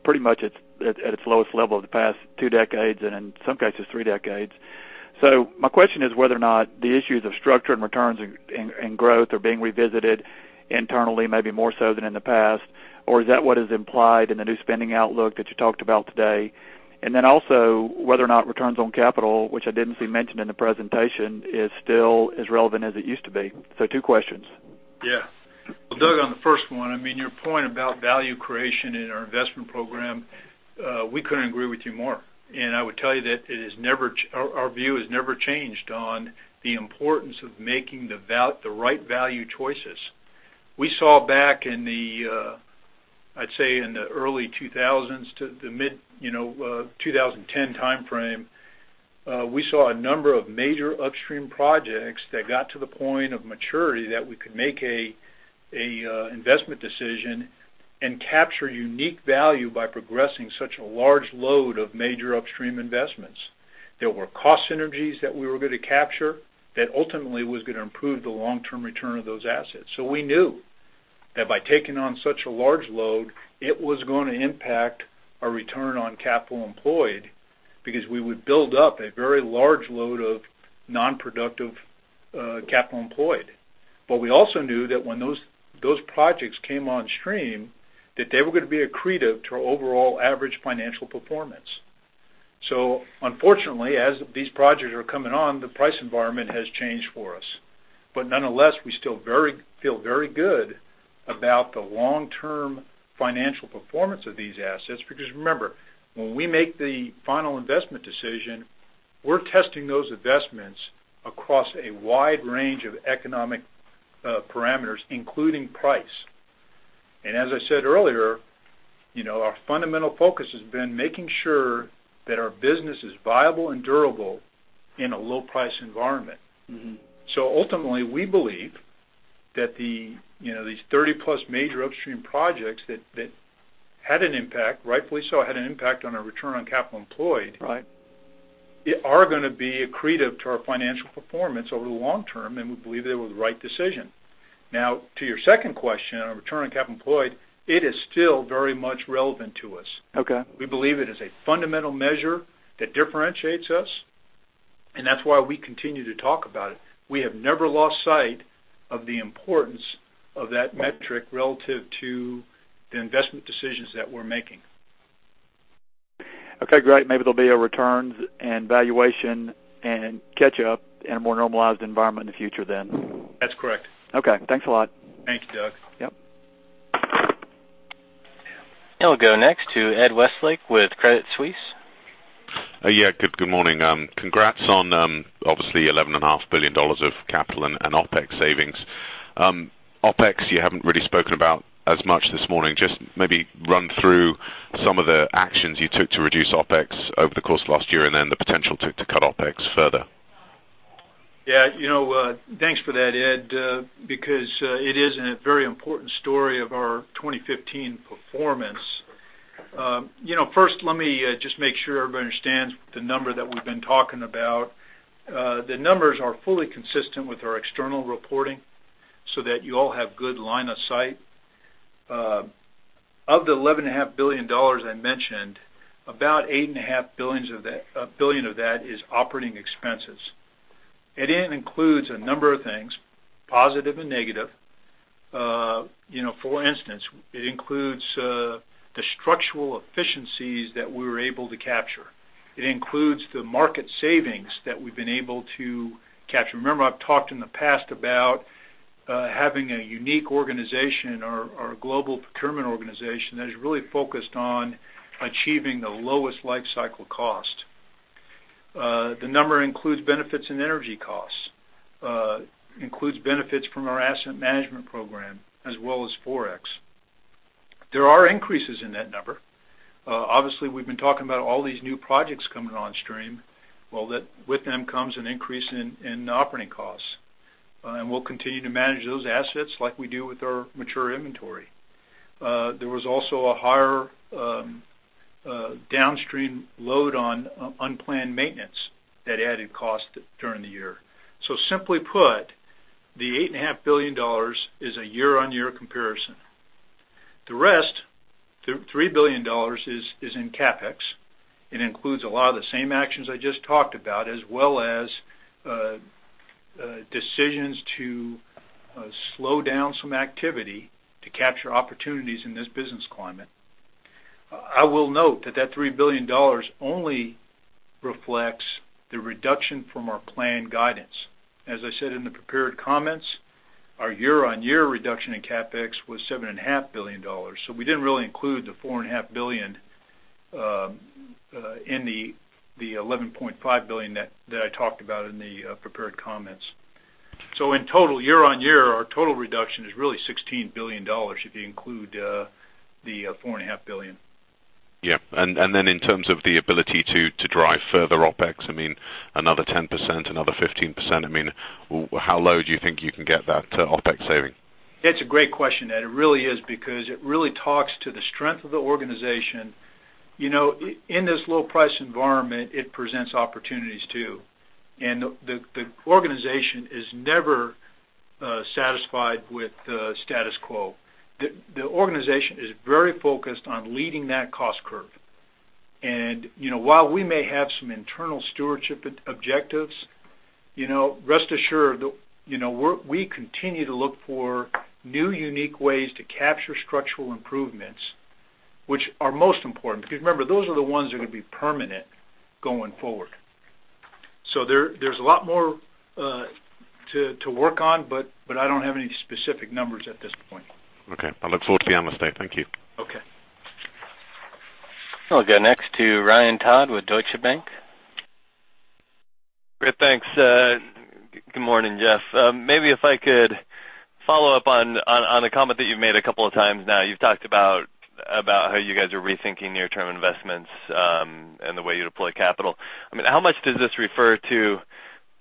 pretty much at its lowest level of the past two decades, and in some cases, three decades. My question is whether or not the issues of structure and returns and growth are being revisited internally, maybe more so than in the past, or is that what is implied in the new spending outlook that you talked about today? Also, whether or not returns on capital, which I didn't see mentioned in the presentation, is still as relevant as it used to be. Two questions. Well, Doug, on the first one, your point about value creation in our investment program, we couldn't agree with you more. I would tell you that our view has never changed on the importance of making the right value choices. We saw back in the, I'd say in the early 2000s to the mid-2010 timeframe, we saw a number of major upstream projects that got to the point of maturity that we could make an investment decision and capture unique value by progressing such a large load of major upstream investments. There were cost synergies that we were going to capture that ultimately was going to improve the long-term return of those assets. We knew that by taking on such a large load, it was going to impact our return on capital employed because we would build up a very large load of non-productive capital employed. We also knew that when those projects came on stream, that they were going to be accretive to our overall average financial performance. Unfortunately, as these projects are coming on, the price environment has changed for us. Nonetheless, we still feel very good about the long-term financial performance of these assets because remember, when we make the Final Investment Decision, we're testing those investments across a wide range of economic parameters, including price. As I said earlier, our fundamental focus has been making sure that our business is viable and durable in a low price environment. Ultimately, we believe that these 30-plus major upstream projects that had an impact, rightfully so, had an impact on our return on capital employed- Right Are going to be accretive to our financial performance over the long term, and we believe they were the right decision. To your second question on return on capital employed, it is still very much relevant to us. Okay. We believe it is a fundamental measure that differentiates us, and that's why we continue to talk about it. We have never lost sight of the importance of that metric relative to the investment decisions that we're making. Great. Maybe there'll be a returns and valuation and catch up in a more normalized environment in the future then. That's correct. Okay. Thanks a lot. Thank you, Doug. Yep. We'll go next to Ed Westlake with Credit Suisse. Yeah. Good morning. Congrats on obviously $11.5 billion of capital and OpEx savings. OpEx, you haven't really spoken about as much this morning. Just maybe run through some of the actions you took to reduce OpEx over the course of last year and then the potential to cut OpEx further. Yeah. Thanks for that, Ed, because it is a very important story of our 2015 performance. First, let me just make sure everybody understands the number that we've been talking about. The numbers are fully consistent with our external reporting so that you all have good line of sight. Of the $11.5 billion I mentioned, about $8.5 billion of that is operating expenses. It includes a number of things, positive and negative. For instance, it includes the structural efficiencies that we were able to capture. It includes the market savings that we've been able to capture. Remember, I've talked in the past about having a unique organization, our global procurement organization that is really focused on achieving the lowest life cycle cost. The number includes benefits and energy costs, includes benefits from our asset management program, as well as Forex. There are increases in that number. Obviously, we've been talking about all these new projects coming on stream. Well, with them comes an increase in operating costs. We'll continue to manage those assets like we do with our mature inventory. There was also a higher downstream load on unplanned maintenance that added cost during the year. Simply put, the $8.5 billion is a year-on-year comparison. The rest, $3 billion, is in CapEx. It includes a lot of the same actions I just talked about, as well as decisions to slow down some activity to capture opportunities in this business climate. I will note that that $3 billion only reflects the reduction from our planned guidance. As I said in the prepared comments, our year-on-year reduction in CapEx was $7.5 billion. We didn't really include the $4.5 billion in the $11.5 billion that I talked about in the prepared comments. In total, year-on-year, our total reduction is really $16 billion if you include the $4.5 billion. Yeah. Then in terms of the ability to drive further OpEx, another 10%, another 15%. How low do you think you can get that OpEx saving? It's a great question, Ed. It really is, because it really talks to the strength of the organization. In this low price environment, it presents opportunities too. The organization is never satisfied with the status quo. The organization is very focused on leading that cost curve. While we may have some internal stewardship objectives, rest assured, we continue to look for new, unique ways to capture structural improvements, which are most important. Remember, those are the ones that are going to be permanent going forward. There's a lot more to work on, but I don't have any specific numbers at this point. Okay. I look forward to the analyst day. Thank you. Okay. We'll go next to Ryan Todd with Deutsche Bank. Great. Thanks. Good morning, Jeff. Maybe if I could follow up on a comment that you've made a couple of times now. You've talked about how you guys are rethinking near-term investments and the way you deploy capital. How much does this refer to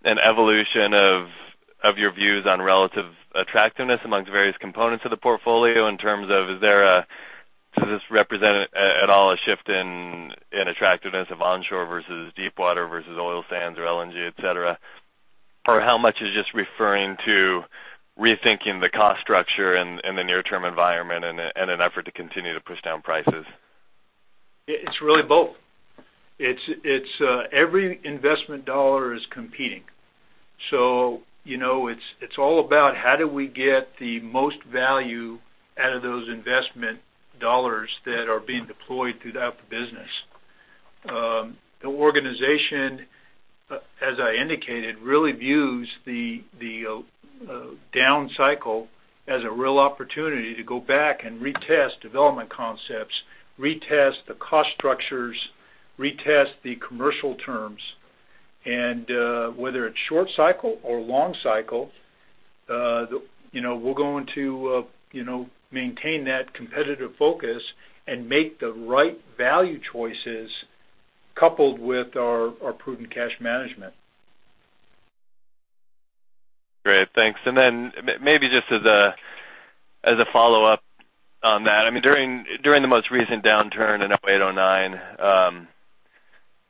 an evolution of your views on relative attractiveness amongst various components of the portfolio in terms of, does this represent at all a shift in attractiveness of onshore versus deepwater versus oil sands or LNG, et cetera? How much is just referring to rethinking the cost structure and the near-term environment in an effort to continue to push down prices? It's really both. Every investment dollar is competing. It's all about how do we get the most value out of those investment dollars that are being deployed throughout the business. The organization, as I indicated, really views the down cycle as a real opportunity to go back and retest development concepts, retest the cost structures, retest the commercial terms, and whether it's short cycle or long cycle we're going to maintain that competitive focus and make the right value choices coupled with our prudent cash management. Great. Thanks. Then maybe just as a follow-up on that. During the most recent downturn in 2008, 2009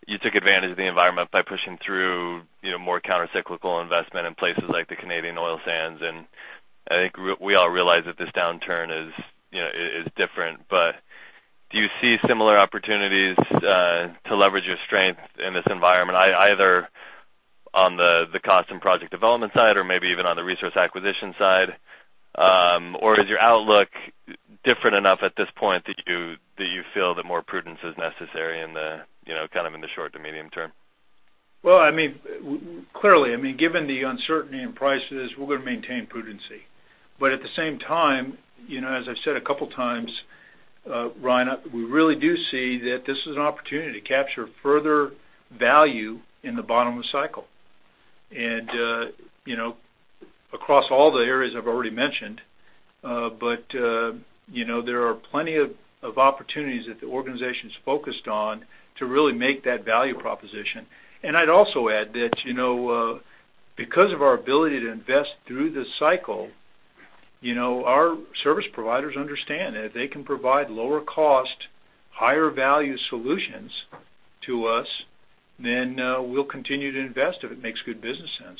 you took advantage of the environment by pushing through more counter-cyclical investment in places like the Canadian oil sands, and I think we all realize that this downturn is different. Do you see similar opportunities to leverage your strength in this environment, either on the cost and project development side or maybe even on the resource acquisition side? Is your outlook different enough at this point that you feel that more prudence is necessary in the short to medium term? Well, clearly, given the uncertainty in prices, we're going to maintain prudency. At the same time, as I've said a couple times Ryan, we really do see that this is an opportunity to capture further value in the bottom of the cycle and across all the areas I've already mentioned. There are plenty of opportunities that the organization's focused on to really make that value proposition. I'd also add that because of our ability to invest through this cycle, our service providers understand that if they can provide lower cost, higher value solutions to us, then we'll continue to invest if it makes good business sense.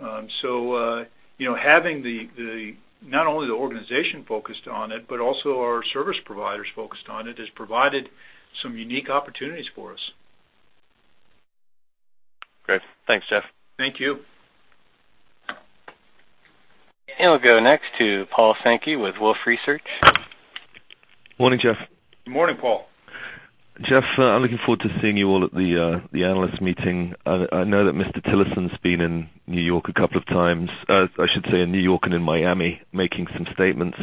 Having not only the organization focused on it, but also our service providers focused on it, has provided some unique opportunities for us. Great. Thanks, Jeff. Thank you. We'll go next to Paul Sankey with Wolfe Research. Morning, Jeff. Morning, Paul. Jeff, I'm looking forward to seeing you all at the analyst meeting. I know that Mr. Tillerson's been in New York a couple of times. I should say in New York and in Miami, making some statements.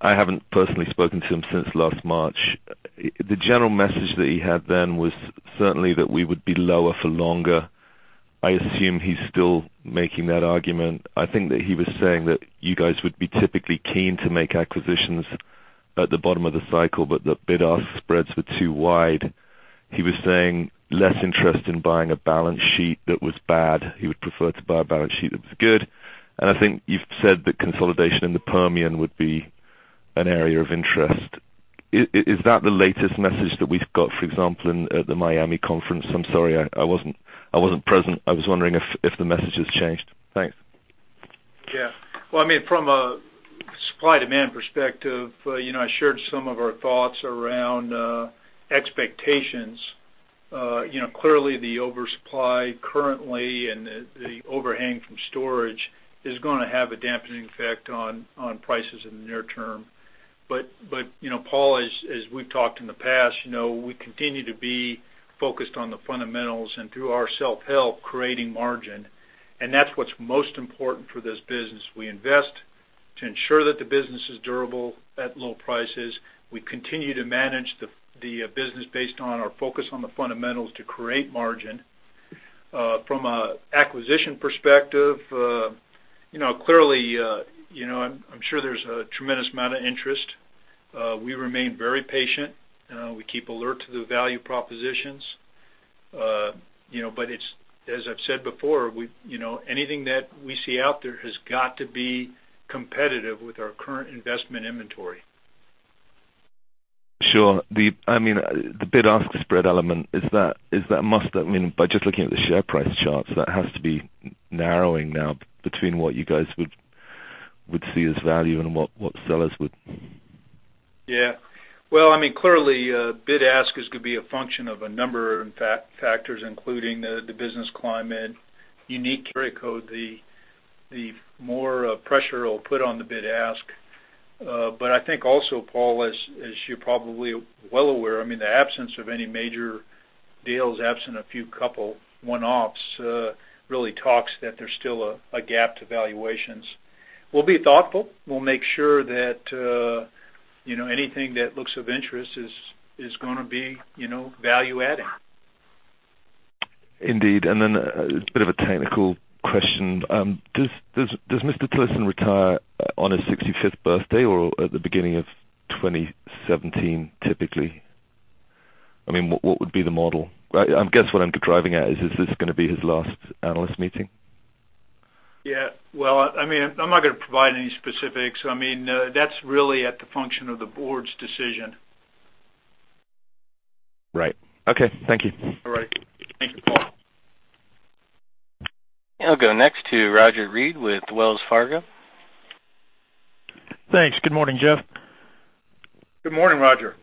I haven't personally spoken to him since last March. The general message that he had then was certainly that we would be lower for longer. I assume he's still making that argument. I think that he was saying that you guys would be typically keen to make acquisitions at the bottom of the cycle, but the bid-ask spreads were too wide. He was saying less interest in buying a balance sheet that was bad. He would prefer to buy a balance sheet that was good. I think you've said that consolidation in the Permian would be an area of interest. Is that the latest message that we've got, for example, at the Miami conference? I'm sorry I wasn't present. I was wondering if the message has changed. Thanks. Yeah. Well, from a supply-demand perspective, I shared some of our thoughts around expectations. Clearly the oversupply currently and the overhang from storage is going to have a dampening effect on prices in the near term. Paul, as we've talked in the past, we continue to be focused on the fundamentals and through our self-help, creating margin, and that's what's most important for this business. We invest to ensure that the business is durable at low prices. We continue to manage the business based on our focus on the fundamentals to create margin. From an acquisition perspective, clearly, I'm sure there's a tremendous amount of interest. We remain very patient. We keep alert to the value propositions. As I've said before, anything that we see out there has got to be competitive with our current investment inventory. Sure. The bid-ask spread element, by just looking at the share price charts, that has to be narrowing now between what you guys would see as value and what sellers would. Yeah. Well, clearly, bid-ask is going to be a function of a number of factors, including the business climate, unique carry cost, the more pressure it'll put on the bid-ask. I think also, Paul, as you're probably well aware, the absence of any major deals, absent a few couple one-offs really talks that there's still a gap to valuations. We'll be thoughtful. We'll make sure that anything that looks of interest is going to be value adding. Indeed. Then a bit of a technical question. Does Mr. Tillerson retire on his 65th birthday or at the beginning of 2017, typically? What would be the model? I guess what I'm driving at, is this going to be his last analyst meeting? Yeah. Well, I'm not going to provide any specifics. That's really at the function of the board's decision. Right. Okay. Thank you. All right. Thank you, Paul. I'll go next to Roger Read with Wells Fargo. Thanks. Good morning, Jeff. Good morning, Roger.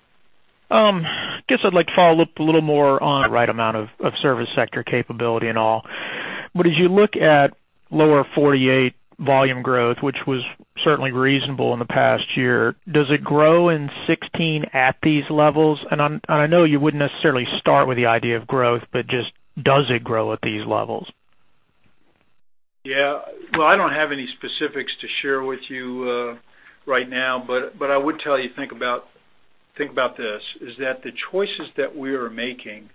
I guess I'd like to follow up a little more on right amount of service sector capability and all. As you look at Lower 48 volume growth, which was certainly reasonable in the past year, does it grow in 2016 at these levels? I know you wouldn't necessarily start with the idea of growth, but just does it grow at these levels? Yeah. Well, I don't have any specifics to share with you right now, but I would tell you, think about this, is that the choices that we are making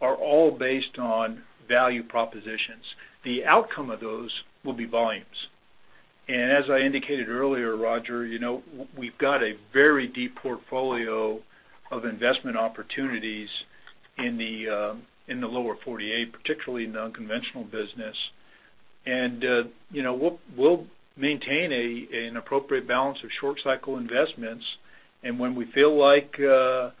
are all based on value propositions. The outcome of those will be volumes. As I indicated earlier, Roger, we've got a very deep portfolio of investment opportunities in the Lower 48, particularly in the unconventional business. We'll maintain an appropriate balance of short cycle investments, and when we feel like the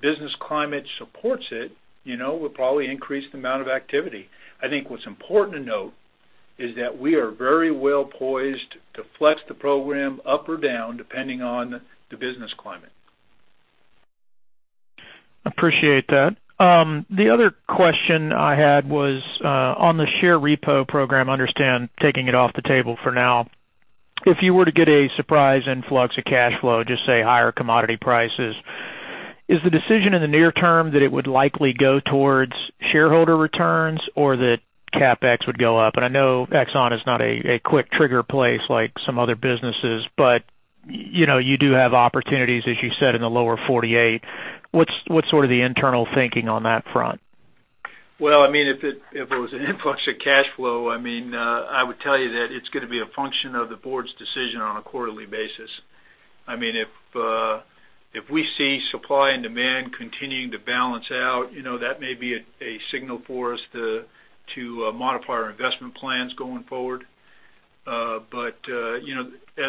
business climate supports it, we'll probably increase the amount of activity. I think what's important to note is that we are very well poised to flex the program up or down, depending on the business climate. Appreciate that. The other question I had was on the share repo program. Understand taking it off the table for now. If you were to get a surprise influx of cash flow, just say higher commodity prices, is the decision in the near term that it would likely go towards shareholder returns or that CapEx would go up? I know Exxon is not a quick trigger place like some other businesses, but you do have opportunities, as you said, in the Lower 48. What's sort of the internal thinking on that front? Well, if it was an influx of cash flow, I would tell you that it's going to be a function of the board's decision on a quarterly basis. If we see supply and demand continuing to balance out, that may be a signal for us to modify our investment plans going forward. As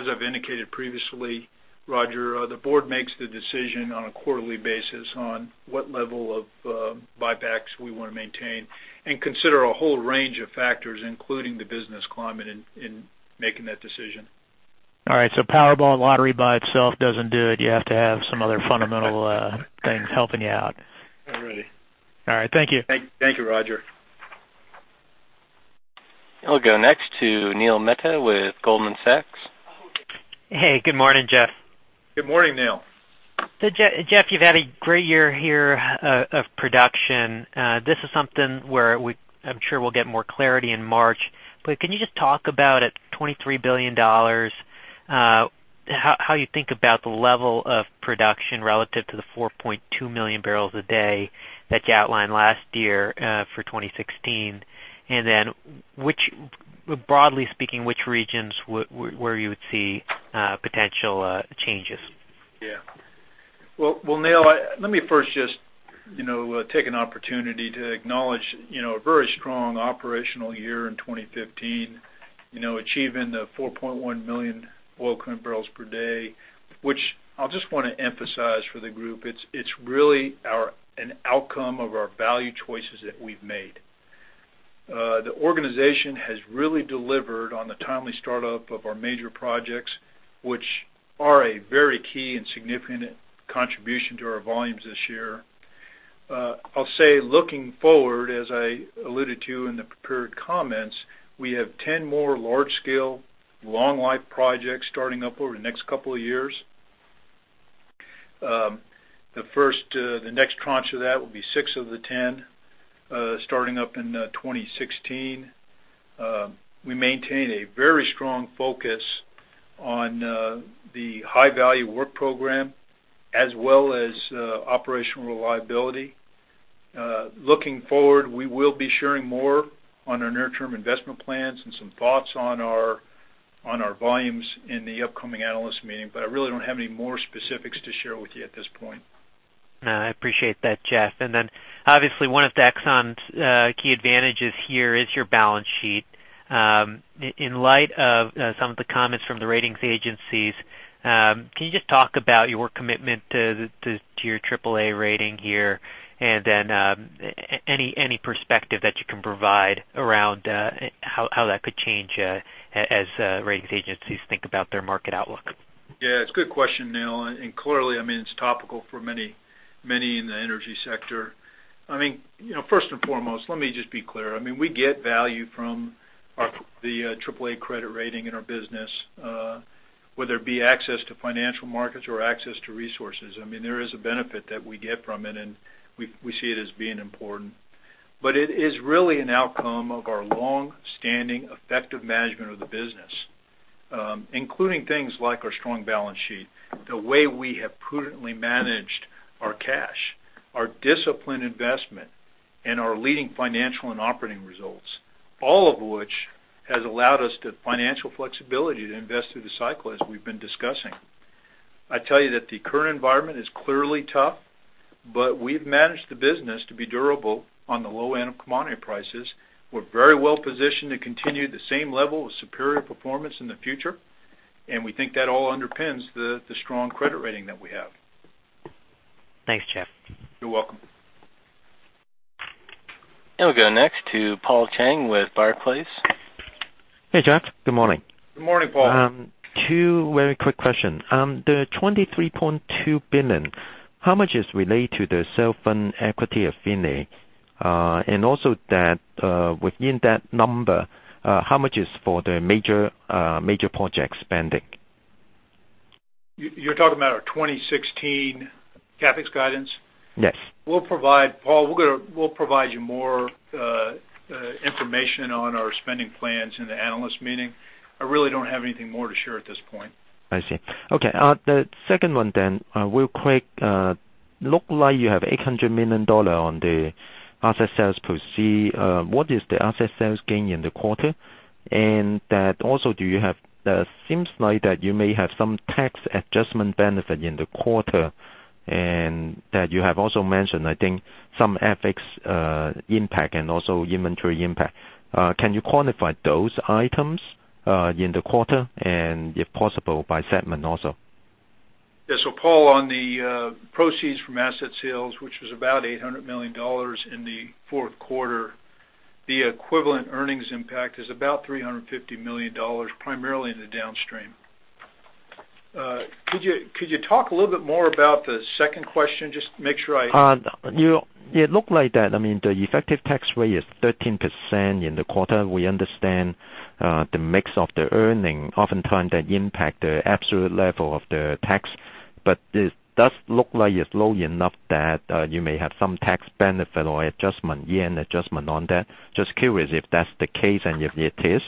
I've indicated previously, Roger, the board makes the decision on a quarterly basis on what level of buybacks we want to maintain and consider a whole range of factors, including the business climate in making that decision. All right. Powerball lottery by itself doesn't do it. You have to have some other fundamental things helping you out. Right. All right. Thank you. Thank you, Roger. I'll go next to Neil Mehta with Goldman Sachs. Hey, good morning, Jeff. Good morning, Neil. Jeff, you've had a great year here of production. This is something where I'm sure we'll get more clarity in March. Can you just talk about, at $23 billion, how you think about the level of production relative to the 4.2 million barrels a day that you outlined last year for 2016, and then, broadly speaking, which regions where you would see potential changes? Well, Neil, let me first just take an opportunity to acknowledge a very strong operational year in 2015. Achieving the 4.1 million oil equivalent barrels per day, which I'll just want to emphasize for the group, it's really an outcome of our value choices that we've made. The organization has really delivered on the timely start-up of our major projects, which are a very key and significant contribution to our volumes this year. I'll say, looking forward, as I alluded to in the prepared comments, we have 10 more large-scale, long-life projects starting up over the next couple of years. The next tranche of that will be 6 of the 10 starting up in 2016. We maintain a very strong focus on the high-value work program as well as operational reliability. Looking forward, we will be sharing more on our near-term investment plans and some thoughts on our volumes in the upcoming analyst meeting. I really don't have any more specifics to share with you at this point. I appreciate that, Jeff. Obviously one of Exxon's key advantages here is your balance sheet. In light of some of the comments from the ratings agencies, can you just talk about your commitment to your AAA rating here, any perspective that you can provide around how that could change as ratings agencies think about their market outlook? It's a good question, Neil. Clearly it's topical for many in the energy sector. First and foremost, let me just be clear. We get value from the AAA credit rating in our business whether it be access to financial markets or access to resources. There is a benefit that we get from it. We see it as being important. It is really an outcome of our long-standing effective management of the business including things like our strong balance sheet, the way we have prudently managed our cash, our disciplined investment, and our leading financial and operating results, all of which has allowed us the financial flexibility to invest through the cycle as we've been discussing. I tell you that the current environment is clearly tough. We've managed the business to be durable on the low end of commodity prices. We're very well positioned to continue the same level of superior performance in the future. We think that all underpins the strong credit rating that we have. Thanks, Jeff. You're welcome. We'll go next to Paul Cheng with Barclays. Hey, Jeff. Good morning. Good morning, Paul. Two very quick questions. The $23.2 billion, how much is related to the self and equity affiliates? Also within that number how much is for the major project spending? You're talking about our 2016 CapEx guidance? Yes. Paul, we're going to provide you more information on our spending plans in the analyst meeting. I really don't have anything more to share at this point. I see. Okay. The second one, real quick. Look like you have $800 million on the asset sales proceed. What is the asset sales gain in the quarter? That also it seems like that you may have some tax adjustment benefit in the quarter, and that you have also mentioned, I think some FX impact and also inventory impact. Can you quantify those items in the quarter and if possible by segment also? Yeah, Paul, on the proceeds from asset sales, which was about $800 million in the fourth quarter, the equivalent earnings impact is about $350 million, primarily in the downstream. Could you talk a little bit more about the second question? It look like that the effective tax rate is 13% in the quarter. We understand the mix of the earning oftentimes that impact the absolute level of the tax, but it does look like it's low enough that you may have some tax benefit or adjustment, year-end adjustment on that. Just curious if that's the case and if it is,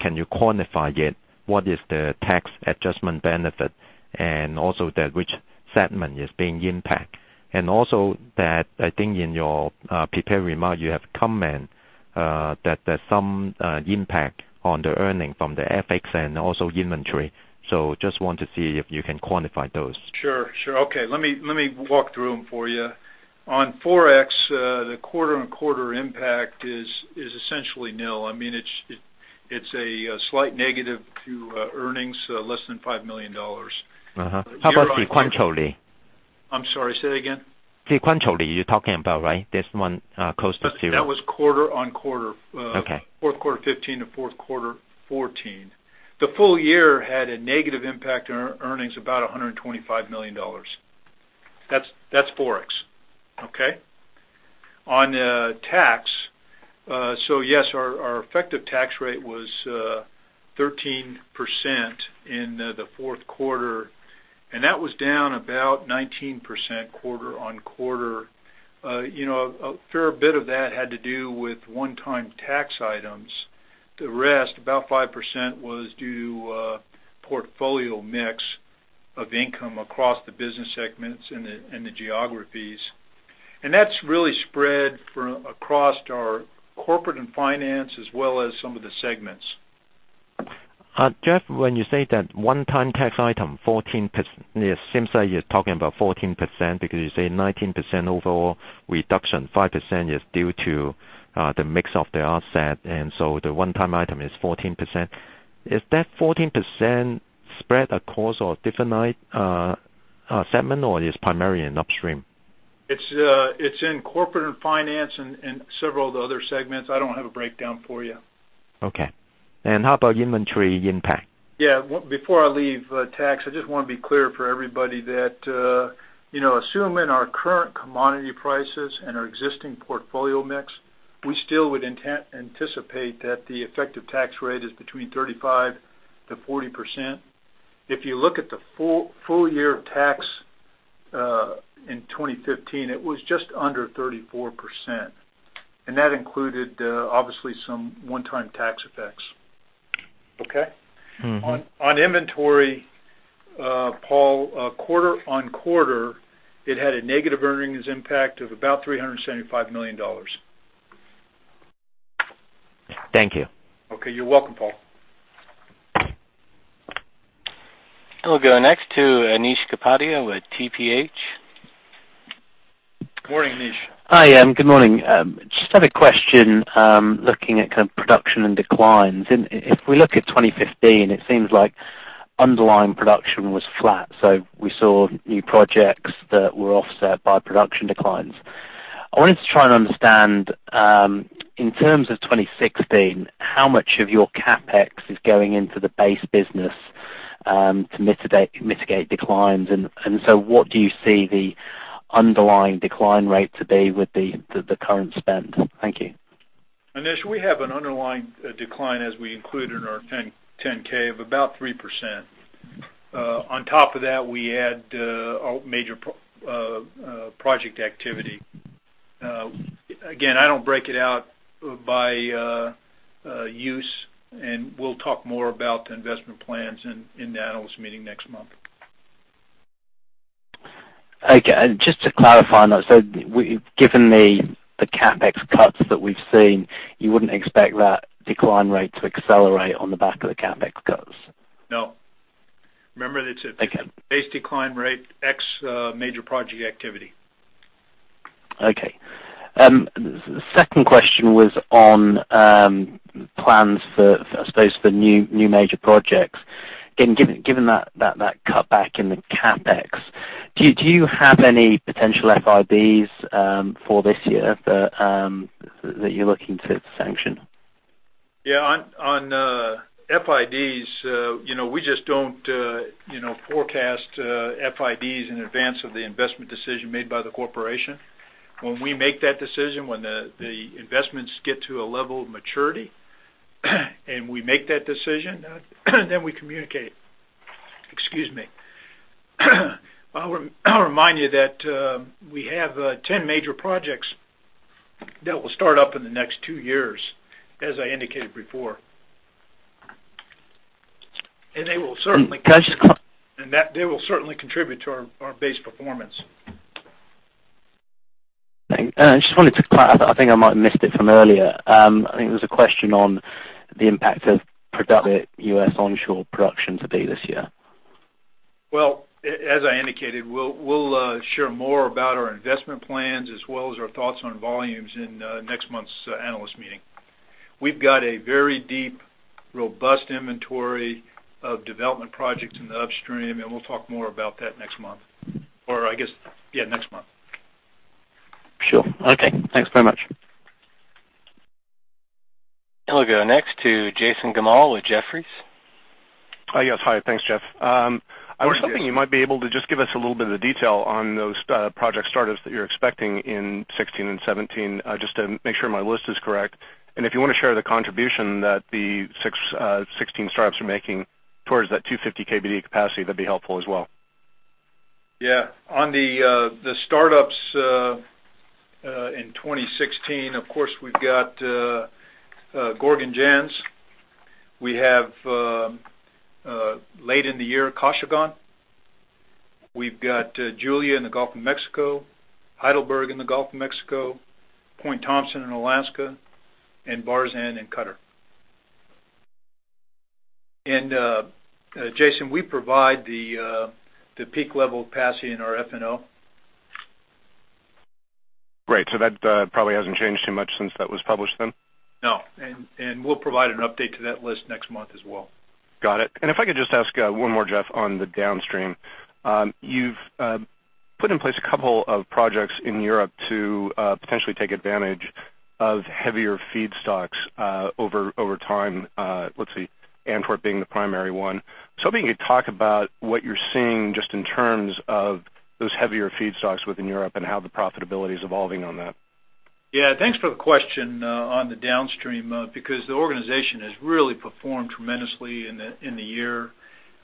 can you quantify it? What is the tax adjustment benefit and also that which segment is being impact? That I think in your prepared remark you have comment that there's some impact on the earning from the FX and also inventory, just want to see if you can quantify those. Sure. Okay. Let me walk through them for you. On Forex, the quarter on quarter impact is essentially nil. It's a slight negative to earnings less than $5 million. How about sequentially? I'm sorry, say again? Sequentially you're talking about, right? This one close to zero. That was quarter-on-quarter. Okay. Fourth quarter 2015 to fourth quarter 2014. The full year had a negative impact on earnings about $125 million. That's Forex. Okay? On tax, yes, our effective tax rate was 13% in the fourth quarter, and that was down about 19% quarter-on-quarter. A fair bit of that had to do with one-time tax items. The rest, about 5%, was due to portfolio mix of income across the business segments and the geographies. That's really spread across our corporate and finance as well as some of the segments. Jeff, when you say that one-time tax item, it seems like you're talking about 14% because you say 19% overall reduction, 5% is due to the mix of the offset. The one-time item is 14%. Is that 14% spread across different segments or it is primarily in upstream? It's in corporate and finance and several of the other segments. I don't have a breakdown for you. Okay. How about inventory impact? Yeah. Before I leave tax, I just want to be clear for everybody that assuming our current commodity prices and our existing portfolio mix, we still would anticipate that the effective tax rate is between 35%-40%. If you look at the full year tax in 2015, it was just under 34%, and that included obviously some one-time tax effects. Okay? On inventory, Paul, quarter-on-quarter, it had a negative earnings impact of about $375 million. Thank you. Okay. You're welcome, Paul. We'll go next to Anish Kapadia with TPH. Morning, Anish. Hi, good morning. Just had a question looking at production and declines. If we look at 2015, it seems like underlying production was flat. We saw new projects that were offset by production declines. I wanted to try and understand, in terms of 2016, how much of your CapEx is going into the base business to mitigate declines, what do you see the underlying decline rate to be with the current spend? Thank you. Anish, we have an underlying decline as we include in our 10-K of about 3%. On top of that, we had major project activity. Again, I don't break it out by use, we'll talk more about the investment plans in the analyst meeting next month. Okay. Just to clarify, given the CapEx cuts that we've seen, you wouldn't expect that decline rate to accelerate on the back of the CapEx cuts? No. Remember it's. Okay base decline rate ex major project activity. Okay. Second question was on plans for, I suppose the new major projects. Given that cutback in the CapEx, do you have any potential FIDs for this year that you're looking to sanction? Yeah. On FIDs, we just don't forecast FIDs in advance of the investment decision made by the corporation. When we make that decision, when the investments get to a level of maturity and we make that decision, then we communicate it. Excuse me. I'll remind you that we have 10 major projects that will start up in the next two years, as I indicated before. They will certainly- Can I just- They will certainly contribute to our base performance. I just wanted to clarify, I think I might have missed it from earlier. I think there was a question on the impact of U.S. onshore production to be this year. Well, as I indicated, we'll share more about our investment plans as well as our thoughts on volumes in next month's analyst meeting. We've got a very deep, robust inventory of development projects in the upstream, we'll talk more about that next month. I guess, yeah, next month. Sure. Okay. Thanks very much. We'll go next to Jason Gammel with Jefferies. Yes. Hi. Thanks, Jeff. I was wondering you might be able to just give us a little bit of the detail on those project startups that you're expecting in 2016 and 2017, just to make sure my list is correct. If you want to share the contribution that the 2016 startups are making towards that 250 KBD capacity, that'd be helpful as well. Yeah. On the startups in 2016, of course, we've got Gorgon Jansz. We have late in the year, Kashagan. We've got Julia in the Gulf of Mexico, Heidelberg in the Gulf of Mexico, Point Thomson in Alaska, and Barzan in Qatar. Jason, we provide the peak level capacity in our F&O. Great. That probably hasn't changed too much since that was published then? No. We'll provide an update to that list next month as well. Got it. If I could just ask one more, Jeff, on the downstream. You've put in place a couple of projects in Europe to potentially take advantage of heavier feedstocks over time. Let's see, Antwerp being the primary one. I was hoping you could talk about what you're seeing just in terms of those heavier feedstocks within Europe and how the profitability is evolving on that. Thanks for the question on the downstream because the organization has really performed tremendously in the year.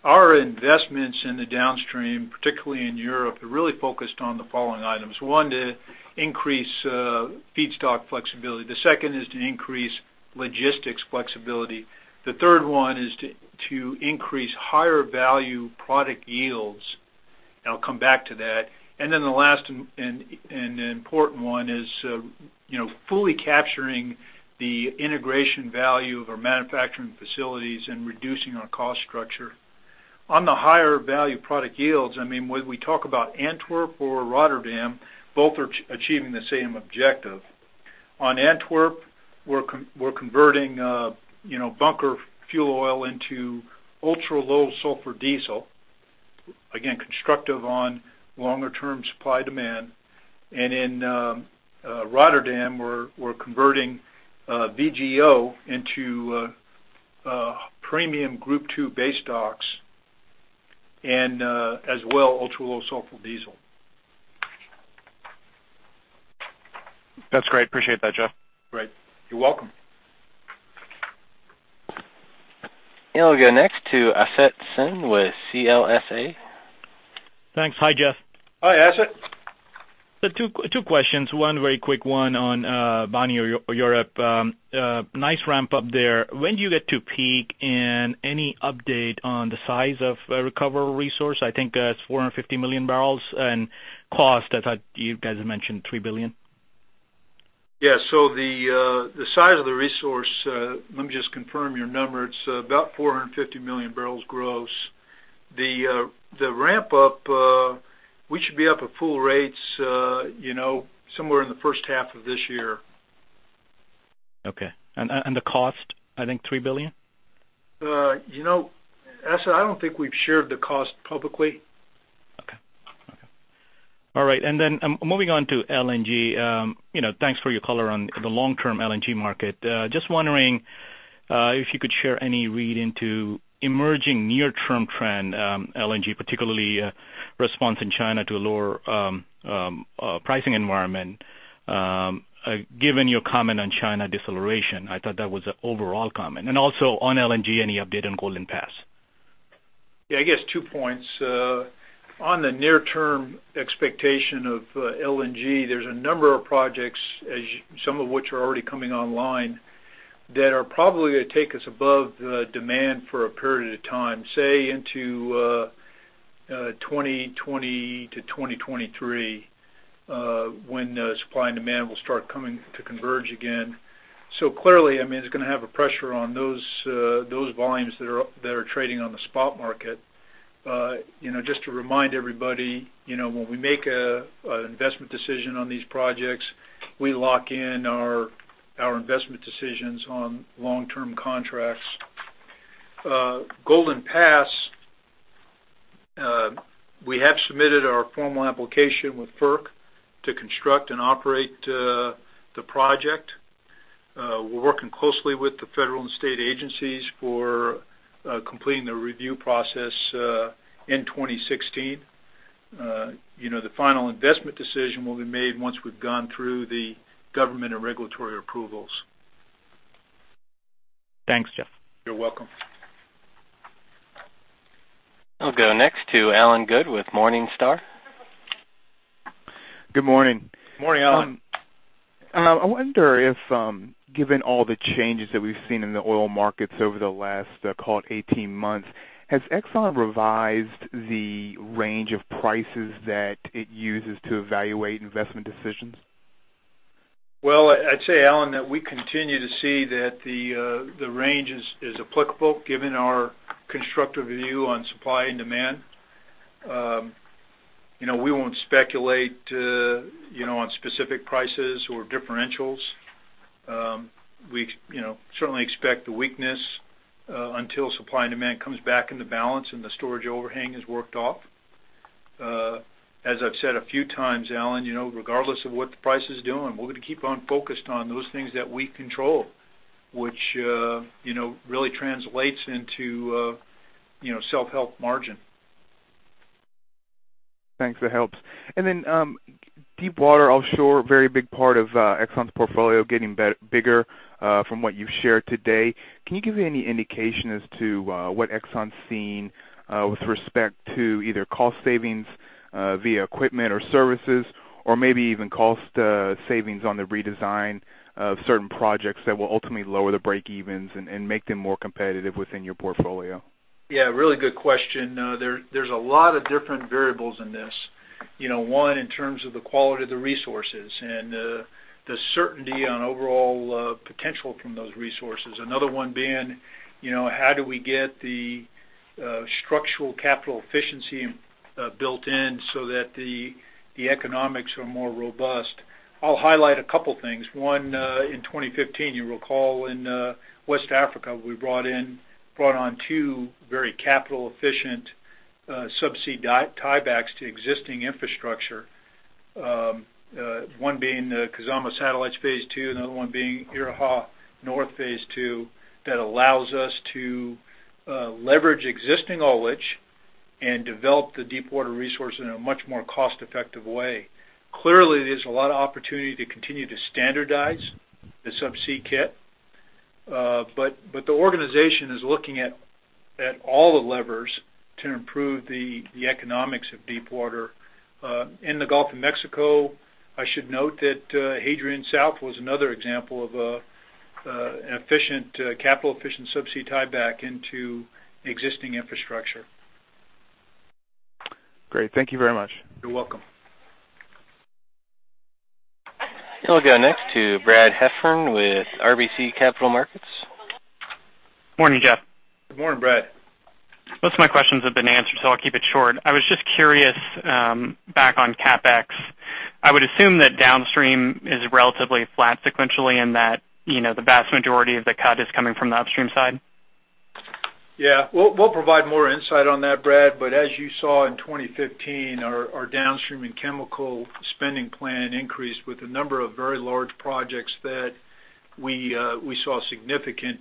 Our investments in the downstream, particularly in Europe, are really focused on the following items. One, to increase feedstock flexibility. The second is to increase logistics flexibility. The third one is to increase higher value product yields. I'll come back to that. The last and important one is, fully capturing the integration value of our manufacturing facilities and reducing our cost structure. On the higher value product yields, when we talk about Antwerp or Rotterdam, both are achieving the same objective. On Antwerp, we're converting bunker fuel oil into ultra-low sulfur diesel, again, constructive on longer term supply demand. In Rotterdam, we're converting VGO into a premium Group II base stocks, and as well, ultra-low sulfur diesel. That's great. Appreciate that, Jeff. Great. You're welcome. We'll go next to Asit Sen with CLSA. Thanks. Hi, Jeff. Hi, Asit. Two questions. One very quick one on Banyu Urip. Nice ramp up there. When do you get to peak, and any update on the size of a recovery resource? I think it's 450 million barrels and cost, I thought you guys mentioned $3 billion. The size of the resource, let me just confirm your number. It's about 450 million barrels gross. The ramp up, we should be up at full rates somewhere in the first half of this year. The cost, I think $3 billion? Asit, I don't think we've shared the cost publicly. Okay. All right. Moving on to LNG. Thanks for your color on the long-term LNG market. Just wondering if you could share any read into emerging near-term trend LNG, particularly response in China to a lower pricing environment given your comment on China deceleration. I thought that was an overall comment. Also on LNG, any update on Golden Pass? Yeah, I guess two points. On the near term expectation of LNG, there's a number of projects, some of which are already coming online, that are probably going to take us above the demand for a period of time, say into 2020 to 2023 when supply and demand will start coming to converge again. Clearly, it's going to have a pressure on those volumes that are trading on the spot market. Just to remind everybody, when we make an investment decision on these projects, we lock in our investment decisions on long-term contracts. Golden Pass, we have submitted our formal application with FERC to construct and operate the project. We're working closely with the federal and state agencies for completing the review process in 2016. The final investment decision will be made once we've gone through the government and regulatory approvals. Thanks, Jeff. You're welcome. I'll go next to Allen Good with Morningstar. Good morning. Morning, Allen. I wonder if given all the changes that we've seen in the oil markets over the last, call it 18 months, has Exxon revised the range of prices that it uses to evaluate investment decisions? Well, I'd say, Allen, that we continue to see that the range is applicable given our constructive view on supply and demand. We won't speculate on specific prices or differentials. We certainly expect the weakness until supply and demand comes back into balance and the storage overhang is worked off. As I've said a few times, Allen, regardless of what the price is doing, we're going to keep on focused on those things that we control, which really translates into self-help margin. Thanks. That helps. Deep water offshore, very big part of Exxon's portfolio getting bigger from what you've shared today. Can you give any indication as to what Exxon's seeing with respect to either cost savings via equipment or services or maybe even cost savings on the redesign of certain projects that will ultimately lower the breakevens and make them more competitive within your portfolio? Yeah, really good question. There's a lot of different variables in this. One, in terms of the quality of the resources and the certainty on overall potential from those resources. Another one being, how do we get the structural capital efficiency built in so that the economics are more robust? I'll highlight a couple things. One, in 2015, you'll recall in West Africa, we brought on two very capital efficient sub-sea tiebacks to existing infrastructure. One being the Kizomba Satellites Phase 2, another one being Erha North Phase 2, that allows us to leverage existing oil rich and develop the deep water resource in a much more cost-effective way. Clearly, there's a lot of opportunity to continue to standardize the sub-sea kit. The organization is looking at all the levers to improve the economics of deep water. In the Gulf of Mexico, I should note that Hadrian South was another example of a capital-efficient subsea tieback into existing infrastructure. Great. Thank you very much. You're welcome. We'll go next to Brad Heffern with RBC Capital Markets. Morning, Jeff. Good morning, Brad. Most of my questions have been answered. I'll keep it short. I was just curious, back on CapEx, I would assume that downstream is relatively flat sequentially and that the vast majority of the cut is coming from the upstream side. Yeah. We'll provide more insight on that, Brad. As you saw in 2015, our downstream and chemical spending plan increased with a number of very large projects that we saw significant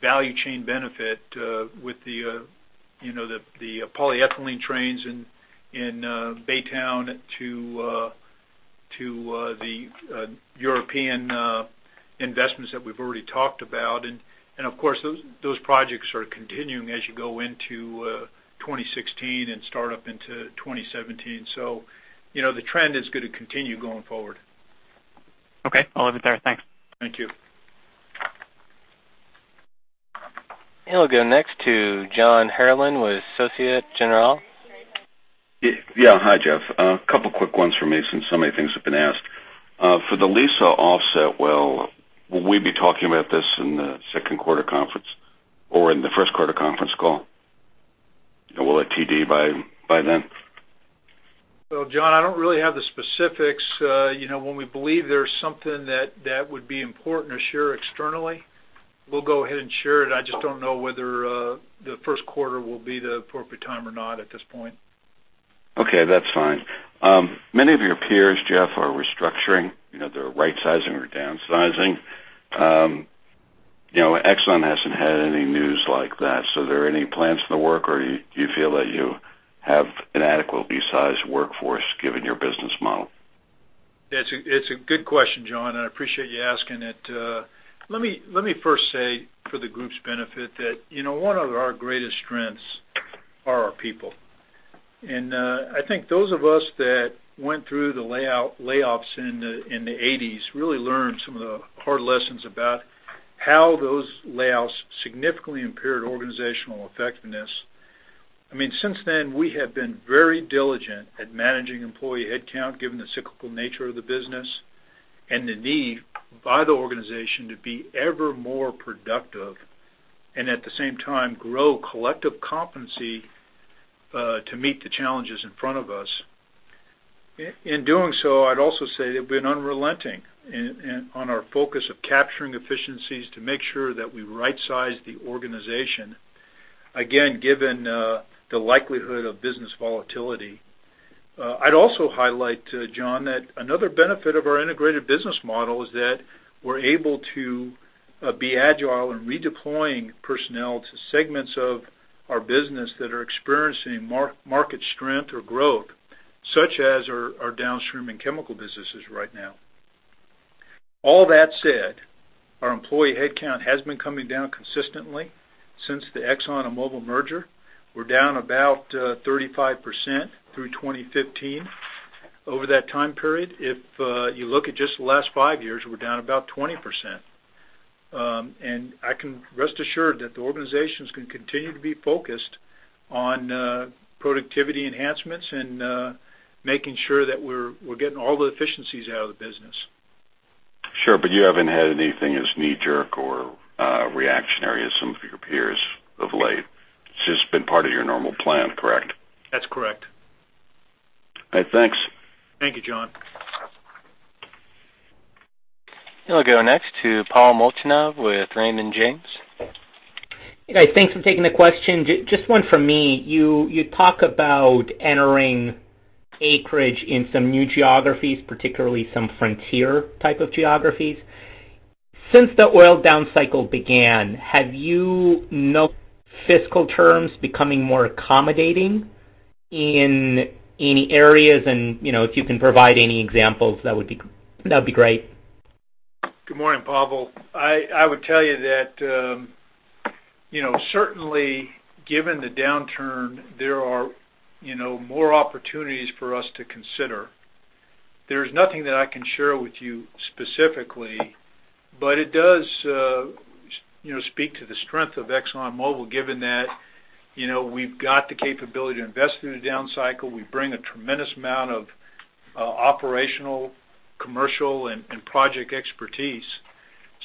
value chain benefit with the polyethylene trains in Baytown to the European investments that we've already talked about. Of course, those projects are continuing as you go into 2016 and start up into 2017. The trend is going to continue going forward. Okay. I'll leave it there. Thanks. Thank you. We'll go next to John Herrlin with Société Générale. Yeah. Hi, Jeff. A couple quick ones from me, since so many things have been asked. For the Liza offset well, will we be talking about this in the second quarter conference or in the first quarter conference call? Will it TD by then? John, I don't really have the specifics. When we believe there's something that would be important to share externally, we'll go ahead and share it. I just don't know whether the first quarter will be the appropriate time or not at this point. Okay, that's fine. Many of your peers, Jeff, are restructuring. They're right-sizing or downsizing. Exxon hasn't had any news like that, so are there any plans in the work or do you feel that you have an adequately sized workforce given your business model? It's a good question, John, and I appreciate you asking it. Let me first say for the group's benefit that one of our greatest strengths are our people. I think those of us that went through the layoffs in the 1980s really learned some of the hard lessons about how those layoffs significantly impaired organizational effectiveness. Since then, we have been very diligent at managing employee headcount, given the cyclical nature of the business and the need by the organization to be ever more productive and, at the same time, grow collective competency to meet the challenges in front of us. In doing so, I'd also say that we've been unrelenting on our focus of capturing efficiencies to make sure that we right-size the organization, again, given the likelihood of business volatility. I'd also highlight, John, that another benefit of our integrated business model is that we're able to be agile in redeploying personnel to segments of our business that are experiencing market strength or growth, such as our downstream and chemical businesses right now. All that said, our employee headcount has been coming down consistently since the Exxon and Mobil merger. We're down about 35% through 2015 over that time period. If you look at just the last five years, we're down about 20%. Rest assured that the organization's going to continue to be focused on productivity enhancements and making sure that we're getting all the efficiencies out of the business. Sure, you haven't had anything as knee-jerk or reactionary as some of your peers of late. It's just been part of your normal plan, correct? That's correct. All right. Thanks. Thank you, John. We'll go next to Pavel Molchanov with Raymond James. Hey, guys. Thanks for taking the question. Just one from me. You talk about entering acreage in some new geographies, particularly some frontier type of geographies. Since the oil down cycle began, have you noticed fiscal terms becoming more accommodating in any areas? If you can provide any examples, that would be great. Good morning, Pavel. I would tell you that certainly given the downturn, there are more opportunities for us to consider. There's nothing that I can share with you specifically, but it does speak to the strength of ExxonMobil, given that we've got the capability to invest in a down cycle. We bring a tremendous amount of operational, commercial, and project expertise.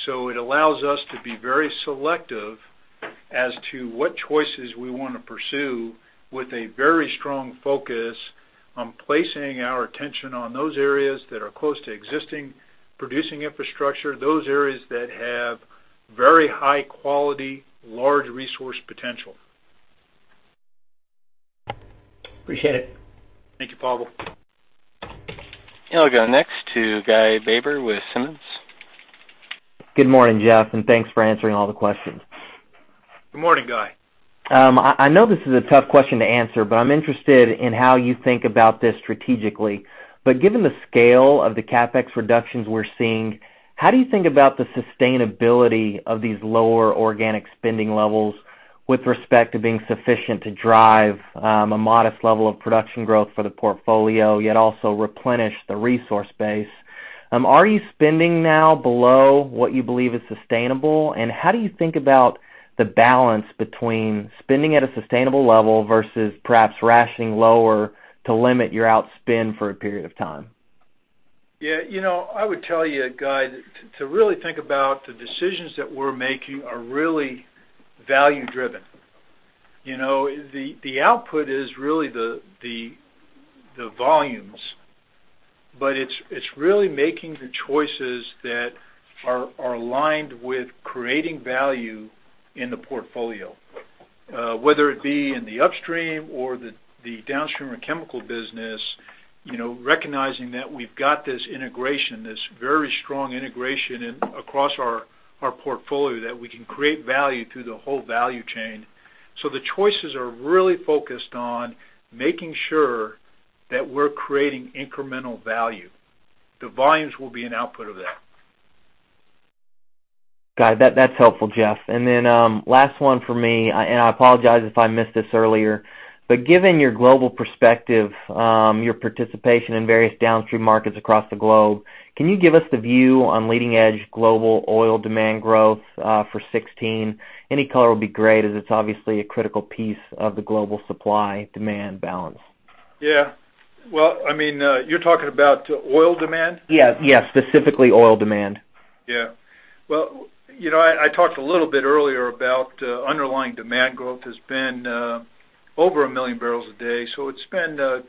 It allows us to be very selective as to what choices we want to pursue with a very strong focus on placing our attention on those areas that are close to existing producing infrastructure, those areas that have very high quality, large resource potential. Appreciate it. Thank you, Pavel. We'll go next to Guy Baber with Simmons. Good morning, Jeff, thanks for answering all the questions. Good morning, Guy. I know this is a tough question to answer, I'm interested in how you think about this strategically. Given the scale of the CapEx reductions we're seeing, how do you think about the sustainability of these lower organic spending levels with respect to being sufficient to drive a modest level of production growth for the portfolio, yet also replenish the resource base? Are you spending now below what you believe is sustainable? How do you think about the balance between spending at a sustainable level versus perhaps rationing lower to limit your outspend for a period of time? Yeah. I would tell you, Guy, to really think about the decisions that we're making are really value-driven. The output is really the volumes, but it's really making the choices that are aligned with creating value in the portfolio. Whether it be in the upstream or the downstream or chemical business, recognizing that we've got this integration, this very strong integration across our portfolio, that we can create value through the whole value chain. The choices are really focused on making sure that we're creating incremental value. The volumes will be an output of that. Got it. That's helpful, Jeff. Last one from me, I apologize if I missed this earlier, given your global perspective, your participation in various downstream markets across the globe, can you give us the view on leading edge global oil demand growth for 2016? Any color would be great, as it's obviously a critical piece of the global supply-demand balance. Yeah. Well, you're talking about oil demand? Yes. Specifically oil demand. Yeah. Well, I talked a little bit earlier about underlying demand growth has been over 1 million barrels a day. It's been a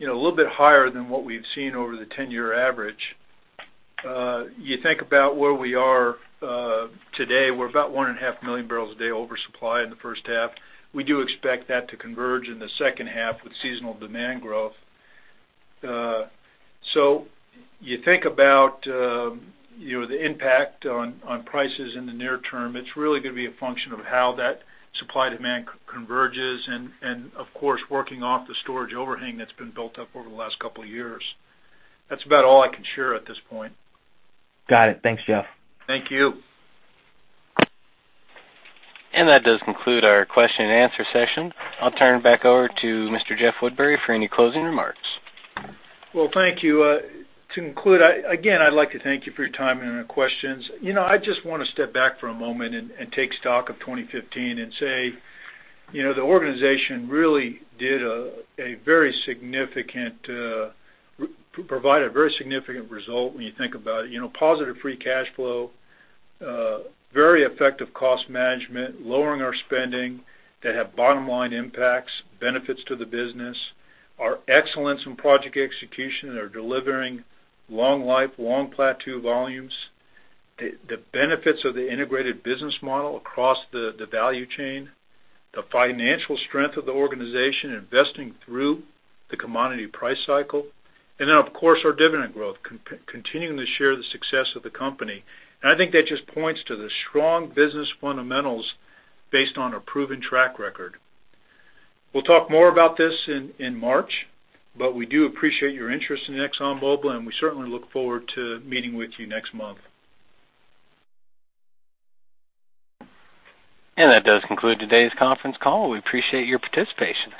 little bit higher than what we've seen over the 10-year average. You think about where we are today, we're about 1.5 million barrels a day over supply in the first half. We do expect that to converge in the second half with seasonal demand growth. You think about the impact on prices in the near term, it's really going to be a function of how that supply-demand converges and, of course, working off the storage overhang that's been built up over the last couple of years. That's about all I can share at this point. Got it. Thanks, Jeff. Thank you. That does conclude our question and answer session. I'll turn it back over to Mr. Jeff Woodbury for any closing remarks. Well, thank you. To conclude, again, I'd like to thank you for your time and your questions. I just want to step back for a moment and take stock of 2015 and say the organization really provided a very significant result when you think about it. Positive free cash flow, very effective cost management, lowering our spending that have bottom-line impacts, benefits to the business. Our excellence in project execution are delivering long life, long plateau volumes. The benefits of the integrated business model across the value chain. The financial strength of the organization investing through the commodity price cycle. Then, of course, our dividend growth continuing to share the success of the company. I think that just points to the strong business fundamentals based on a proven track record. We'll talk more about this in March, but we do appreciate your interest in ExxonMobil, and we certainly look forward to meeting with you next month. That does conclude today's conference call. We appreciate your participation.